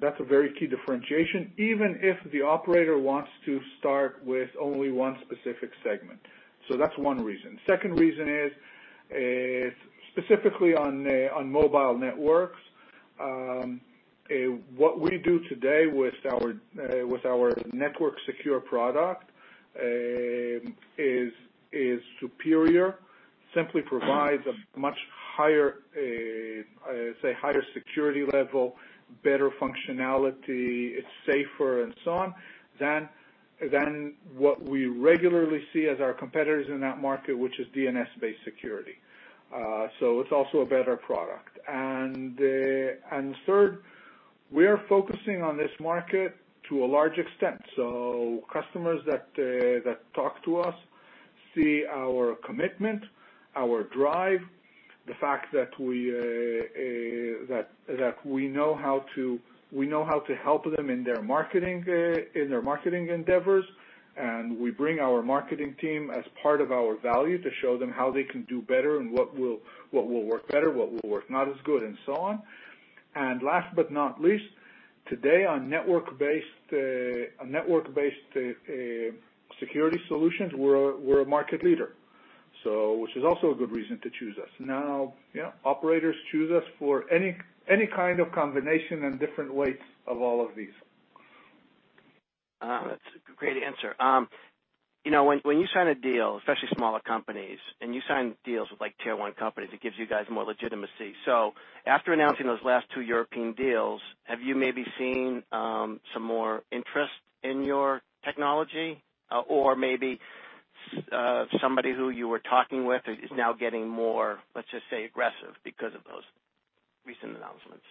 That's a very key differentiation, even if the operator wants to start with only one specific segment. That's one reason. Second reason is, specifically on mobile networks, what we do today with our NetworkSecure product is superior, simply provides a much, higher security level, better functionality, it's safer and so on, than what we regularly see as our competitors in that market, which is DNS-based security. It's also a better product. Third, we are focusing on this market to a large extent. Customers that talk to us see our commitment, our drive, the fact that we know how to help them in their marketing endeavors. We bring our marketing team as part of our value to show them how they can do better and what will work better, what will work not as good, and so on. Last but not least, today on network-based security solutions, we're a market leader. Which is also a good reason to choose us. Operators choose us for any kind of combination and different weights of all of these. That's a great answer. When you sign a deal, especially smaller companies, and you sign deals with Tier 1 companies, it gives you guys more legitimacy. After announcing those last two European deals, have you maybe seen some more interest in your technology? Or maybe somebody who you were talking with is now getting more, let's just say, aggressive because of those recent announcements?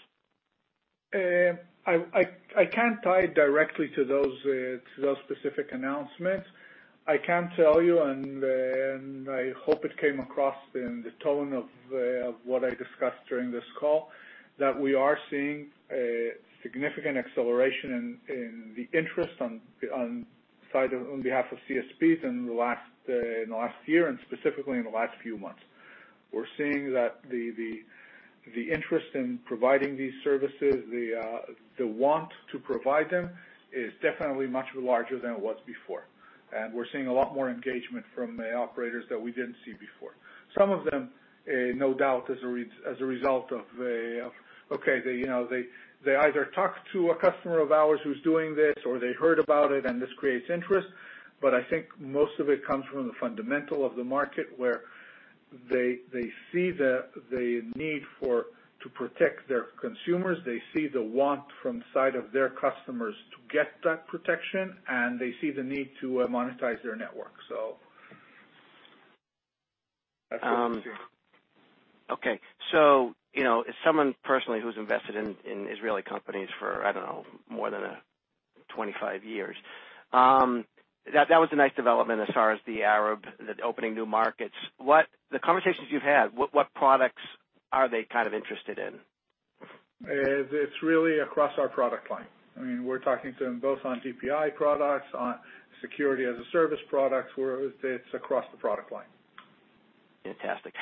I can't tie it directly to those specific announcements. I can tell you, and I hope it came across in the tone of what I discussed during this call, that we are seeing a significant acceleration in the interest on behalf of CSPs in the last year, and specifically in the last few months. We're seeing that the interest in providing these services, the want to provide them, is definitely much larger than it was before. We're seeing a lot more engagement from operators that we didn't see before. Some of them, no doubt, as a result of, okay, they either talk to a customer of ours who's doing this, or they heard about it and this creates interest. I think most of it comes from the fundamental of the market, where they see the need to protect their consumers, they see the want from side of their customers to get that protection, and they see the need to monetize their network. That's what we're seeing. Okay. As someone personally who's invested in Israeli companies for, I don't know, more than 25 years, that was a nice development as far as the Arab, the opening new markets. The conversations you've had, what products are they kind of interested in? It's really across our product line. We're talking to them both on DPI products, on Security-as-a-Service products, where it's across the product line. Fantastic.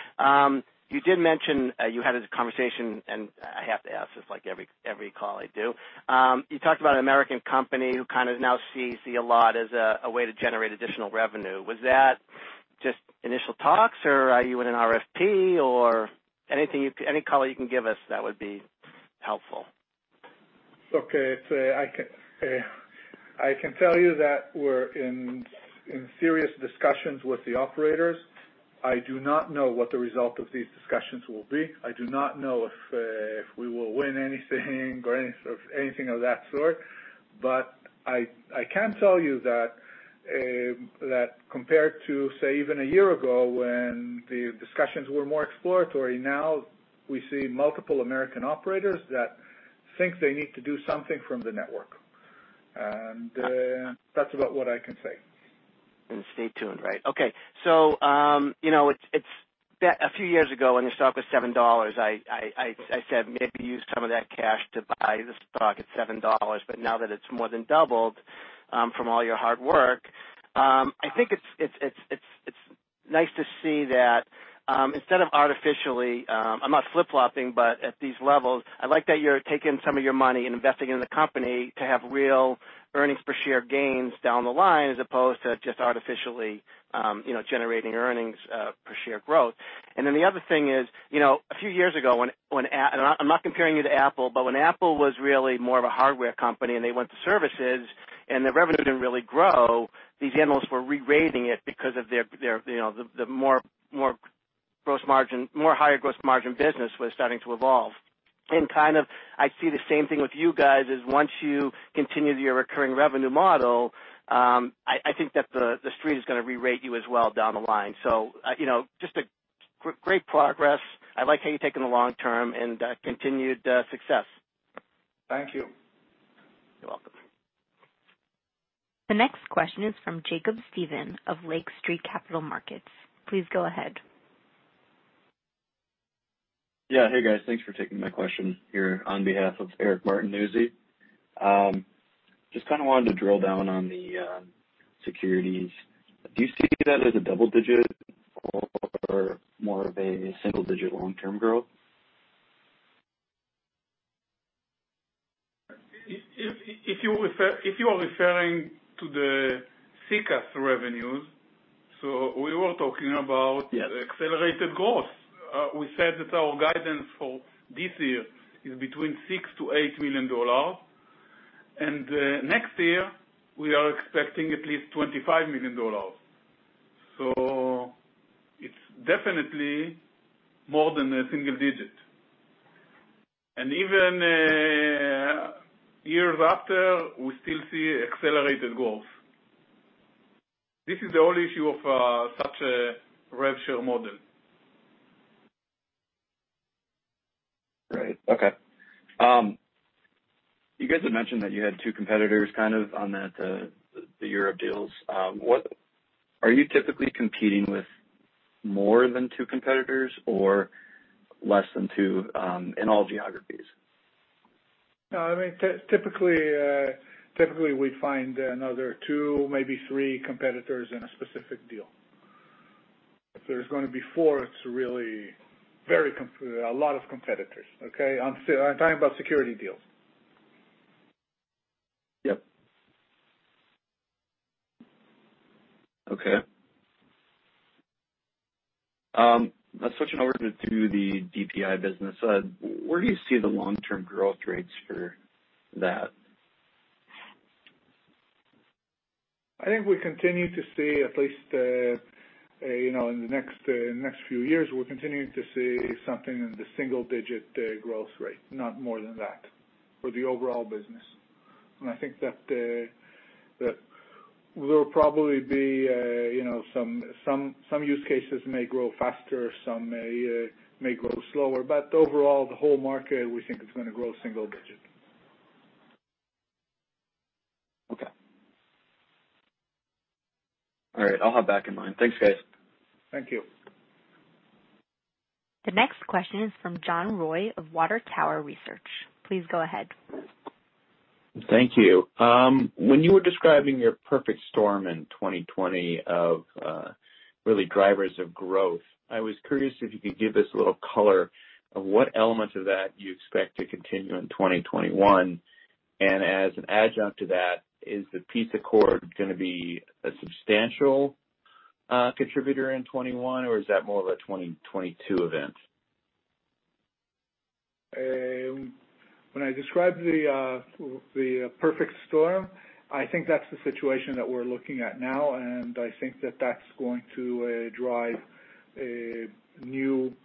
You did mention, you had a conversation. I have to ask, just like every call I do. You talked about an American company who kind of now sees the Allot as a way to generate additional revenue. Was that just initial talks, or are you in an RFP, or any color you can give us, that would be helpful? Okay. I can tell you that we're in serious discussions with the operators. I do not know what the result of these discussions will be. I do not know if we will win anything or anything of that sort. I can tell you that compared to, say, even a year ago, when the discussions were more exploratory, now we see multiple American operators that think they need to do something from the network. That's about what I can say. Stay tuned, right. Okay. A few years ago, when your stock was $7, I said, "Maybe use some of that cash to buy the stock at $7." Now that it's more than doubled from all your hard work, I think it's nice to see that instead of artificially, I'm not flip-flopping, but at these levels, I like that you're taking some of your money and investing it in the company to have real earnings per share gains down the line, as opposed to just artificially generating earnings per share growth. The other thing is, a few years ago, and I'm not comparing you to Apple, but when Apple was really more of a hardware company and they went to services and their revenue didn't really grow, these analysts were re-rating it because of the more higher gross margin business was starting to evolve. Kind of, I see the same thing with you guys, is once you continue your recurring revenue model, I think that the street is going to re-rate you as well down the line. Just a great progress. I like how you're taking the long term, and continued success. Thank you. You're welcome. The next question is from Jacob Stephan of Lake Street Capital Markets. Please go ahead. Yeah. Hey, guys. Thanks for taking my question here on behalf of Eric Martin, Newsy. Just kind of wanted to drill down on the securities. Do you see that as a double-digit or more of a single-digit long-term growth? If you are referring to the SECaaS revenues. Yes accelerated growth. We said that our guidance for this year is between $6 million-$8 million. Next year, we are expecting at least $25 million. It's definitely more than a single digit. Even years after, we still see accelerated growth. This is the whole issue of such a rev share model. Okay. You guys had mentioned that you had two competitors kind of on the Europe deals. Are you typically competing with more than two competitors or less than two in all geographies? No, typically we find another two, maybe three competitors in a specific deal. If there's going to be four, it's really a lot of competitors, okay? I'm talking about security deals. Yep. Okay. Let's switch over to the DPI business. Where do you see the long-term growth rates for that? I think we continue to see at least, in the next few years, we're continuing to see something in the single-digit growth rate, not more than that, for the overall business. There will probably be some use cases may grow faster, some may grow slower. Overall, the whole market, we think it's going to grow single-digit. Okay. All right, I'll have back in mind. Thanks, guys. Thank you. The next question is from John Roy of Water Tower Research. Please go ahead. Thank you. When you were describing your perfect storm in 2020 of really drivers of growth, I was curious if you could give us a little color of what elements of that you expect to continue in 2021, and as an adjunct to that, is the peace accord going to be a substantial contributor in 2021 or is that more of a 2022 event? When I described the perfect storm, I think that's the situation that we're looking at now. I think that that's going to drive a new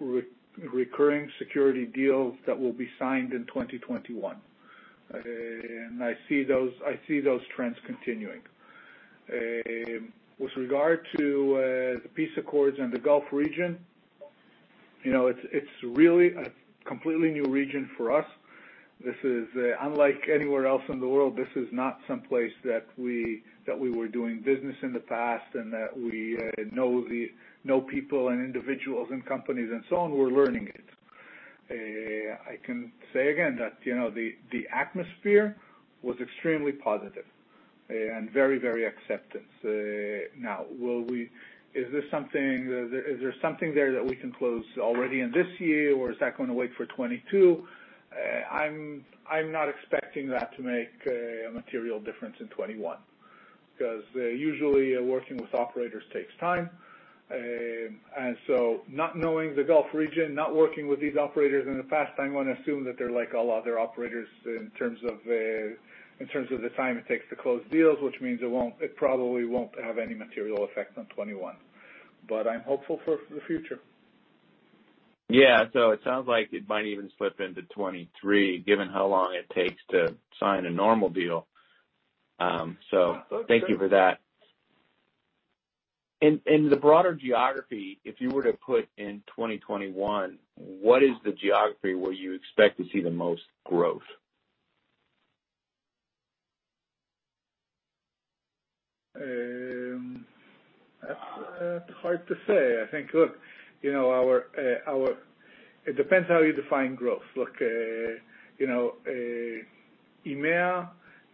recurring security deal that will be signed in 2021. I see those trends continuing. With regard to the peace accords in the Gulf region, it's really a completely new region for us. This is unlike anywhere else in the world. This is not someplace that we were doing business in the past and that we know people and individuals and companies and so on, we're learning it. I can say again that the atmosphere was extremely positive and very acceptance. Now, is there something there that we can close already in this year, or is that going to wait for 2022? I'm not expecting that to make a material difference in 2021, because usually, working with operators takes time. Not knowing the Gulf region, not working with these operators in the past, I'm going to assume that they're like all other operators in terms of the time it takes to close deals, which means it probably won't have any material effect on 2021. I'm hopeful for the future. Yeah. It sounds like it might even slip into 2023, given how long it takes to sign a normal deal. That's true. Thank you for that. In the broader geography, if you were to put in 2021, what is the geography where you expect to see the most growth? That's hard to say. I think, look, it depends how you define growth. Look, EMEA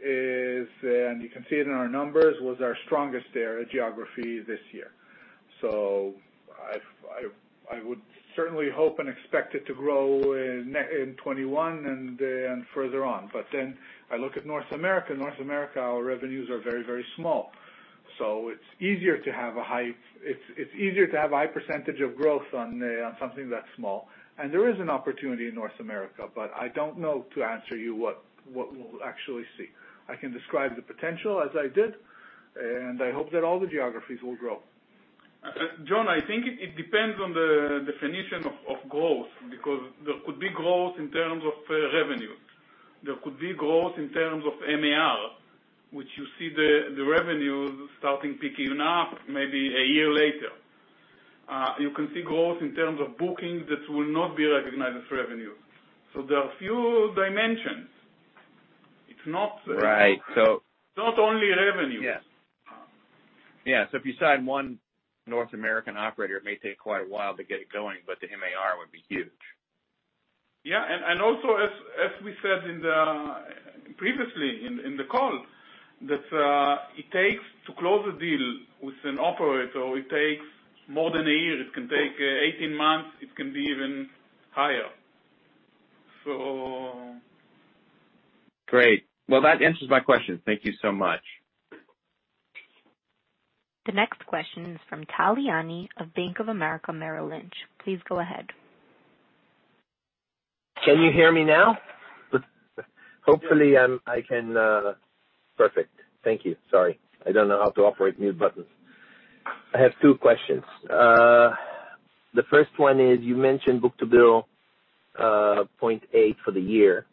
is, and you can see it in our numbers, was our strongest geography this year. I would certainly hope and expect it to grow in 2021 and further on. I look at North America, our revenues are very small. It's easier to have a high percentage of growth on something that small. There is an opportunity in North America, but I don't know to answer you what we'll actually see. I can describe the potential as I did, and I hope that all the geographies will grow. John, I think it depends on the definition of growth, because there could be growth in terms of revenues. There could be growth in terms of MAR, which you see the revenues starting picking up maybe a year later. You can see growth in terms of bookings that will not be recognized as revenue. There are a few dimensions. Right. It's not only revenue. Yeah. If you sign one North American operator, it may take quite a while to get it going, but the MAR would be huge. Yeah. Also, as we said previously in the call, that it takes to close a deal with an operator, it takes more than a year. It can take 18 months, it can be even higher. Great. Well, that answers my question. Thank you so much. The next question is from Tal Liani of Bank of America Merrill Lynch. Please go ahead. Can you hear me now? Hopefully, I can Perfect. Thank you. Sorry, I don't know how to operate mute buttons. I have two questions. The first one is, you mentioned book-to-bill 0.8 for the year.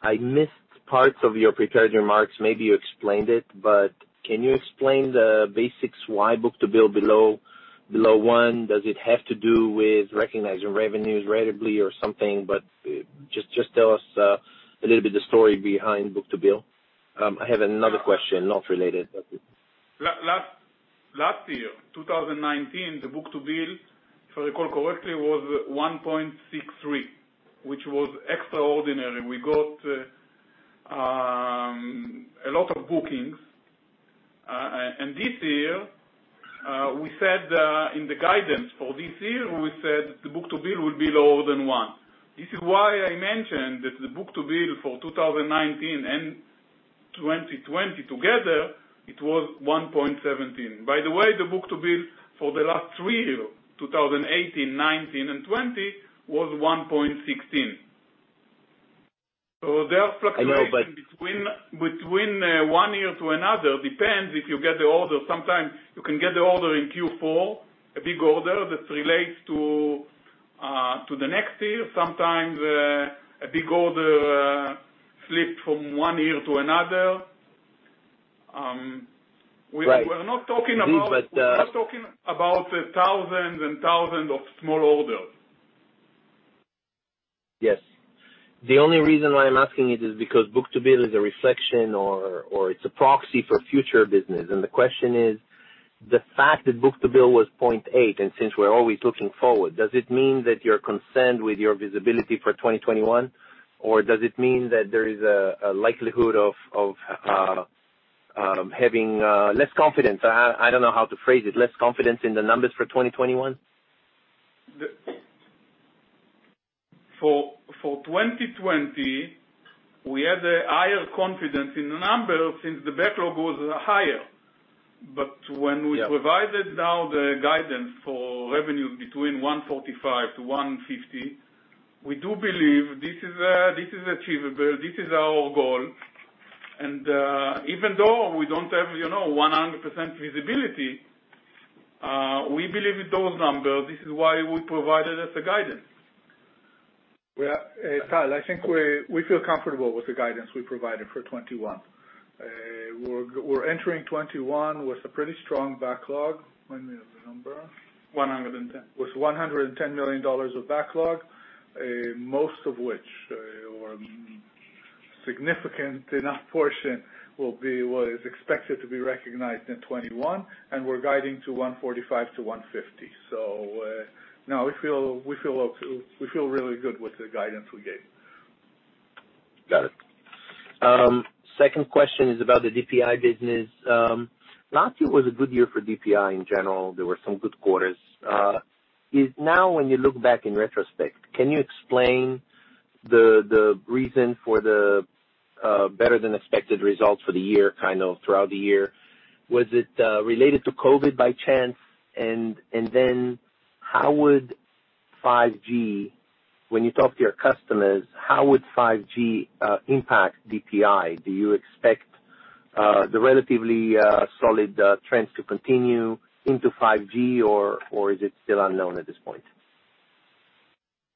I missed parts of your prepared remarks, maybe you explained it. Can you explain the basics why book-to-bill below one? Does it have to do with recognizing revenues ratably or something? Just tell us a little bit the story behind book-to-bill. I have another question, not related. Last year, 2019, the book-to-bill, if I recall correctly, was 1.63, which was extraordinary. We got a lot of bookings. This year, we said in the guidance for this year, we said the book-to-bill will be lower than one. This is why I mentioned that the book-to-bill for 2019 and 2020 together, it was 1.17. By the way, the book-to-bill for the last three years, 2018, 2019, and 2020, was 1.16. There are fluctuations. I know, but- Between one year to another, depends if you get the order. Sometimes you can get the order in Q4, a big order that relates to the next year, sometimes, a big order slipped from one year to another. Right. We're not talking about- But- We're talking about thousands and thousands of small orders. Yes. The only reason why I'm asking it is because book-to-bill is a reflection or it's a proxy for future business. The question is, the fact that book-to-bill was 0.8, and since we're always looking forward, does it mean that you're concerned with your visibility for 2021? Does it mean that there is a likelihood of having less confidence? I don't know how to phrase it, less confidence in the numbers for 2021? For 2020, we had a higher confidence in the numbers since the backlog was higher. Yeah provided now the guidance for revenue between $145 million-$150 million, we do believe this is achievable. This is our goal. Even though we don't have 100% visibility, we believe those numbers. This is why we provided as a guidance. Tal, I think we feel comfortable with the guidance we provided for 2021. We're entering 2021 with a pretty strong backlog. Remind me of the number. $110 million. With $110 million of backlog, most of which, or significant enough portion will be what is expected to be recognized in 2021, we're guiding to $145 million-$150 million. Now we feel really good with the guidance we gave. Got it. Second question is about the DPI business. Last year was a good year for DPI in general. There were some good quarters. Yeah. Now, when you look back in retrospect, can you explain the reason for the better-than-expected results for the year, kind of throughout the year? Was it related to COVID-19 by chance? When you talk to your customers, how would 5G impact DPI? Do you expect the relatively solid trends to continue into 5G, or is it still unknown at this point?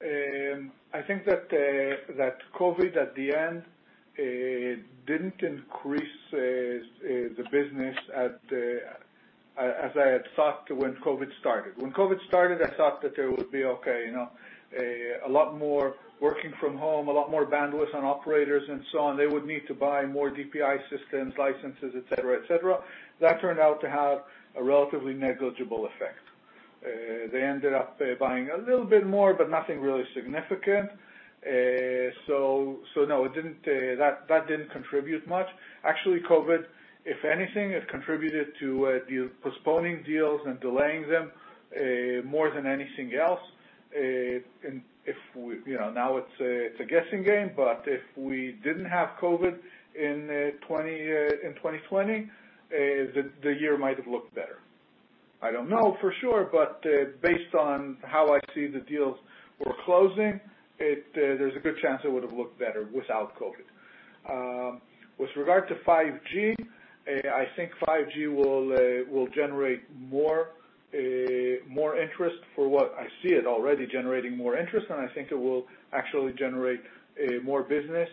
I think that COVID, at the end, didn't increase the business as I had thought when COVID started. When COVID started, I thought that there would be, okay, a lot more working from home, a lot more bandwidth on operators and so on. They would need to buy more DPI systems, licenses, et cetera. That turned out to have a relatively negligible effect. They ended up buying a little bit more, but nothing really significant. No, that didn't contribute much. Actually, COVID, if anything, it contributed to postponing deals and delaying them, more than anything else. Now it's a guessing game, but if we didn't have COVID in 2020, the year might have looked better. I don't know for sure, but based on how I see the deals we're closing, there's a good chance it would've looked better without COVID. With regard to 5G, I think 5G will generate more interest for what I see it already generating more interest, and I think it will actually generate more business,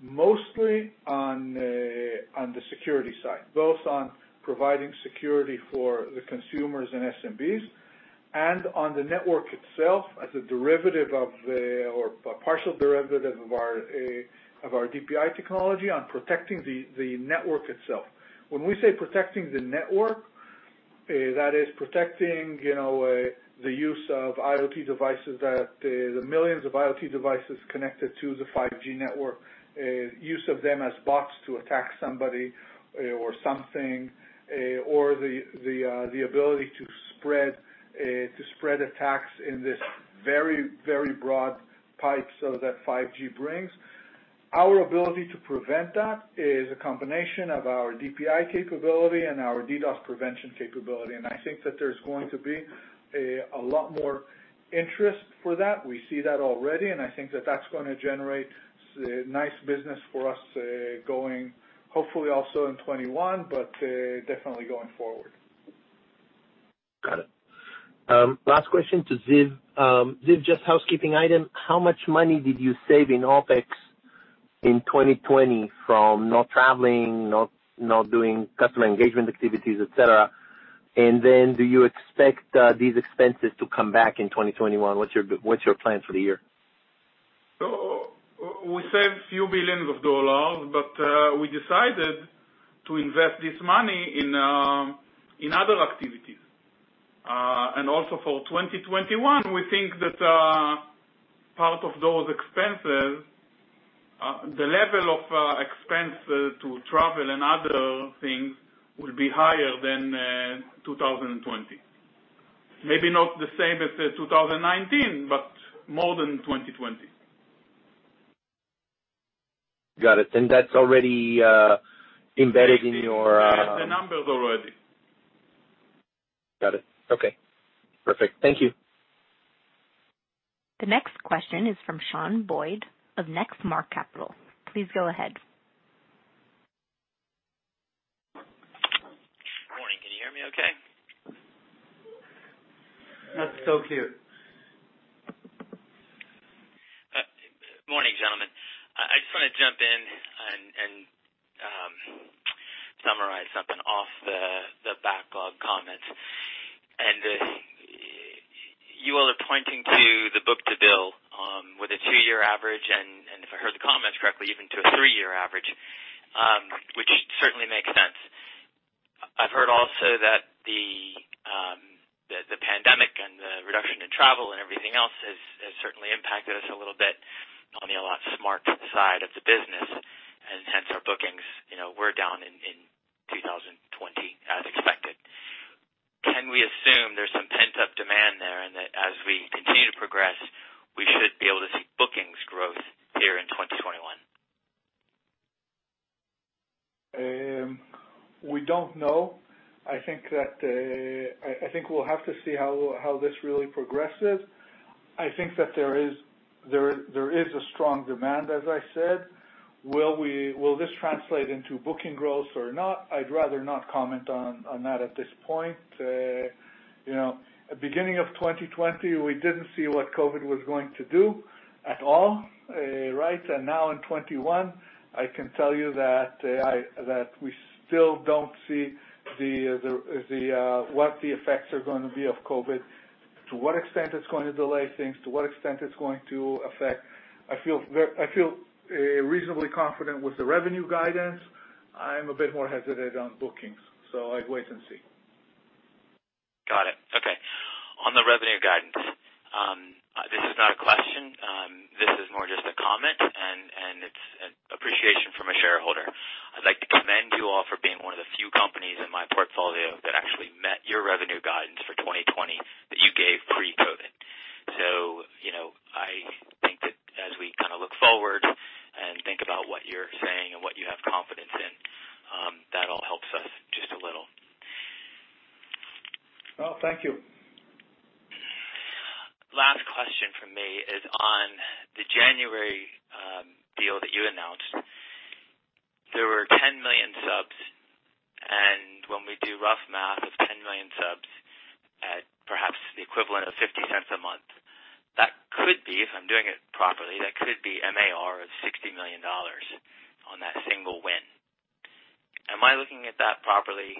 mostly on the security side, both on providing security for the consumers and SMBs and on the network itself as a derivative of, or a partial derivative of our DPI technology on protecting the network itself. When we say protecting the network, that is protecting the use of IoT devices that, the millions of IoT devices connected to the 5G network, use of them as bots to attack somebody or something, or the ability to spread attacks in this very broad pipe so that 5G brings. Our ability to prevent that is a combination of our DPI capability and our DDoS prevention capability, and I think that there's going to be a lot more interest for that. We see that already, and I think that that's going to generate nice business for us, going hopefully also in 2021, but definitely going forward. Got it. Last question to Ziv. Ziv, just housekeeping item, how much money did you save in OpEx in 2020 from not traveling, not doing customer engagement activities, et cetera? Do you expect these expenses to come back in 2021? What's your plan for the year? We saved a few millions of dollars, but we decided to invest this money in other activities. Also for 2021, we think that part of those expenses, the level of expenses to travel and other things will be higher than 2020. Maybe not the same as 2019, but more than 2020. Got it. That's already embedded in. The numbers already. Got it. Okay, perfect. Thank you. The next question is from Shawn Boyd of Next Mark Capital. Please go ahead. That's so cute. Morning, gentlemen. I just want to jump in and summarize something off the backlog comments. You all are pointing to the book-to-bill, with a two-year average, and if I heard the comments correctly, even to a three-year average, which certainly makes sense. I've heard also that the pandemic and the reduction in travel and everything else has certainly impacted us a little bit on the Allot Smart side of the business, and hence our bookings were down in 2020 as expected. Can we assume there's some pent-up demand there, and that as we continue to progress, we should be able to see bookings growth here in 2021? We don't know. I think we'll have to see how this really progresses. I think that there is a strong demand, as I said. Will this translate into booking growth or not? I'd rather not comment on that at this point. At the beginning of 2020, we didn't see what COVID was going to do at all. Now in 2021, I can tell you that we still don't see what the effects are going to be of COVID, to what extent it's going to delay things, to what extent it's going to affect. I feel reasonably confident with the revenue guidance. I'm a bit more hesitant on bookings, so I'd wait and see. Got it. Okay. On the revenue guidance, this is not a question. This is more just a comment, and it's an appreciation from a shareholder. I'd like to commend you all for being one of the few companies in my portfolio that actually met your revenue guidance for 2020 that you gave pre-COVID-19. I think that as we look forward and think about what you're saying and what you have confidence in, that all helps us just a little. Well, thank you. Last question from me is on the January deal that you announced. There were 10 million subs. When we do rough math of 10 million subs at perhaps the equivalent of $0.50 a month, that could be, if I'm doing it properly, that could be MAR of $60 million on that single win. Am I looking at that properly?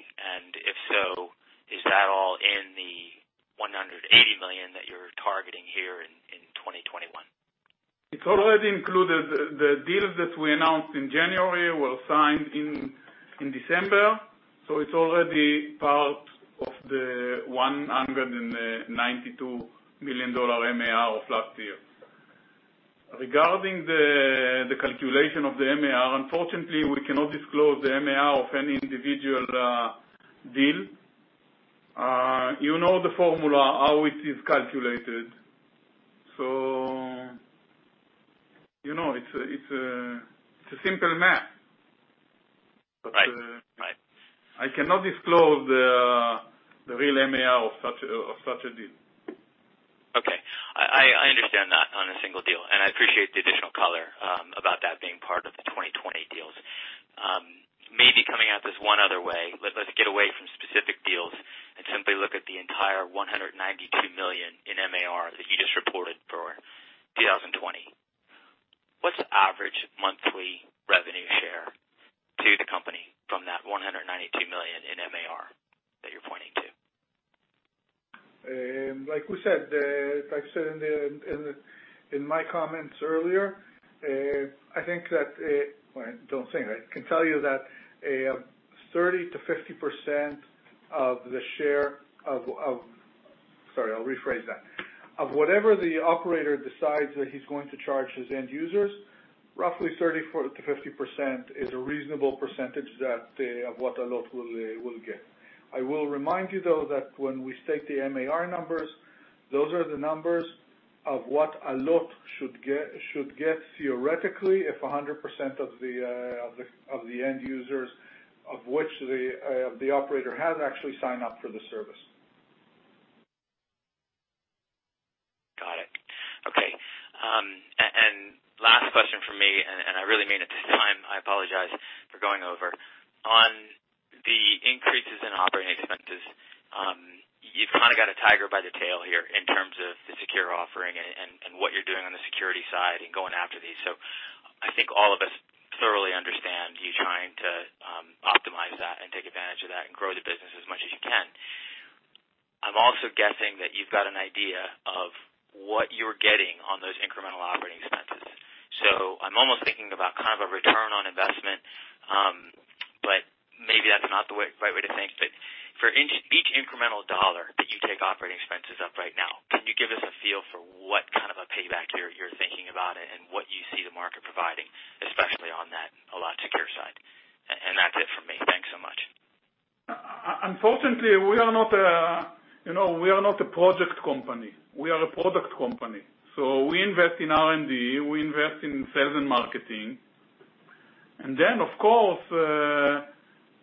If so, is that all in the $180 million that you're targeting here in 2021? It's already included. The deal that we announced in January was signed in December, so it's already part of the $192 million MAR of last year. Regarding the calculation of the MAR, unfortunately, we cannot disclose the MAR of any individual deal. You know the formula, how it is calculated. It's a simple math. Right. I cannot disclose the real MAR of such a deal. Okay. I understand that on a single deal, and I appreciate the additional color about that being part of the 2020 deals. Maybe coming at this one other way, let's get away from specific deals and simply look at the entire $192 million in MAR that you just reported for 2020. What's the average monthly revenue share to the company from that $192 million in MAR that you're pointing to? Like we said, like I said in my comments earlier, I think that Well, I don't think. I can tell you that 30%-50% of the share of Sorry, I'll rephrase that. Of whatever the operator decides that he's going to charge his end users, roughly 30%-50% is a reasonable percentage of what Allot will get. I will remind you, though, that when we state the MAR numbers, those are the numbers of what Allot should get theoretically, if 100% of the end users of which the operator has actually signed up for the service. Got it. Okay. Last question from me, and I really mean it this time. I apologize for going over. On the increases in operating expenses, you've kind of got a tiger by the tail here in terms of the Secure offering and what you're doing on the security side and going after these. I think all of us thoroughly understand you trying to optimize that and take advantage of that and grow the business as much as you can. I'm also guessing that you've got an idea of what you're getting on those incremental operating expenses. I'm almost thinking about a return on investment, but maybe that's not the right way to think. For each incremental dollar that you take operating expenses up right now, can you give us a feel for what kind of a payback you're thinking about and what you see the market providing, especially on that Allot Secure side? That's it for me. Thanks so much. Unfortunately, we are not a project company. We are a product company. We invest in R&D, we invest in sales and marketing. Of course,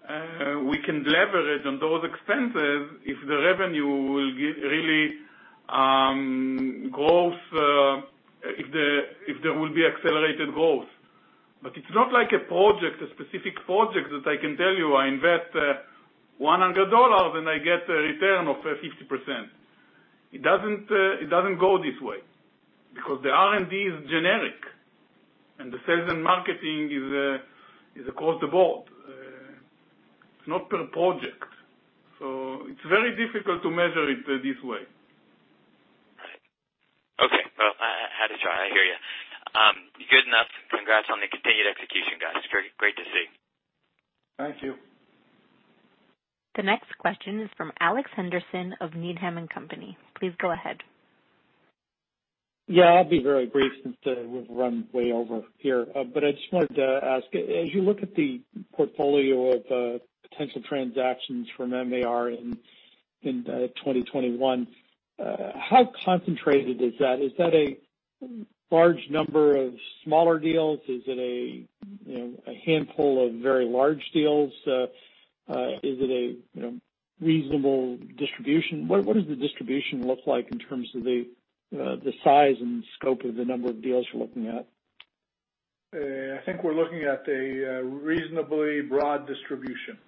we can leverage on those expenses if the revenue will really grow if there will be accelerated growth. It's not like a project, a specific project that I can tell you I invest $100, and I get a return of 50%. It doesn't go this way, because the R&D is generic, and the sales and marketing is across the board. It's not per project. It's very difficult to measure it this way. Right. Okay. Well, I had to try. I hear you. Good enough. Congrats on the continued execution, guys. Great to see. Thank you. The next question is from Alex Henderson of Needham & Company. Please go ahead. Yeah, I'll be very brief since we've run way over here. I just wanted to ask, as you look at the portfolio of potential transactions from Marc in 2021, how concentrated is that? Is that a large number of smaller deals? Is it a handful of very large deals? Is it a reasonable distribution? What does the distribution look like in terms of the size and scope of the number of deals you're looking at? I think we're looking at a reasonably broad distribution.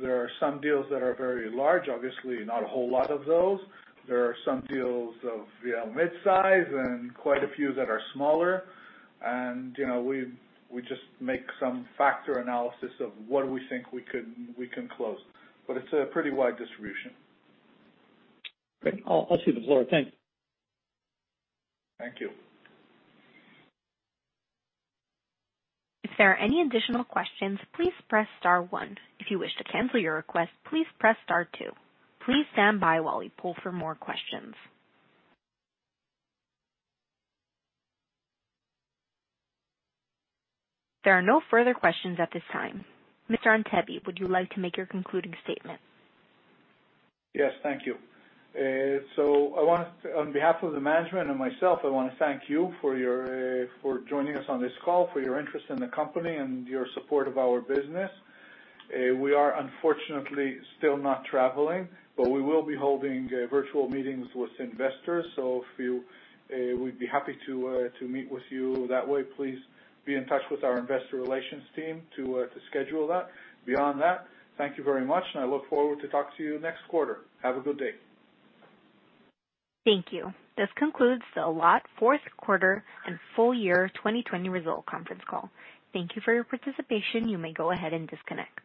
There are some deals that are very large, obviously, not a whole lot of those. There are some deals of mid-size and quite a few that are smaller. We just make some factor analysis of what we think we can close. It's a pretty wide distribution. Great. I'll leave it, Lior. Thank you. Thank you. There are no further questions at this time. Mr. Antebi, would you like to make your concluding statement? Yes, thank you. On behalf of the management and myself, I want to thank you for joining us on this call, for your interest in the company, and your support of our business. We are unfortunately still not traveling, but we will be holding virtual meetings with investors. We'd be happy to meet with you that way. Please be in touch with our investor relations team to schedule that. Beyond that, thank you very much, and I look forward to talk to you next quarter. Have a good day. Thank you. This concludes the Allot fourth quarter and full year 2020 result conference call. Thank you for your participation. You may go ahead and disconnect.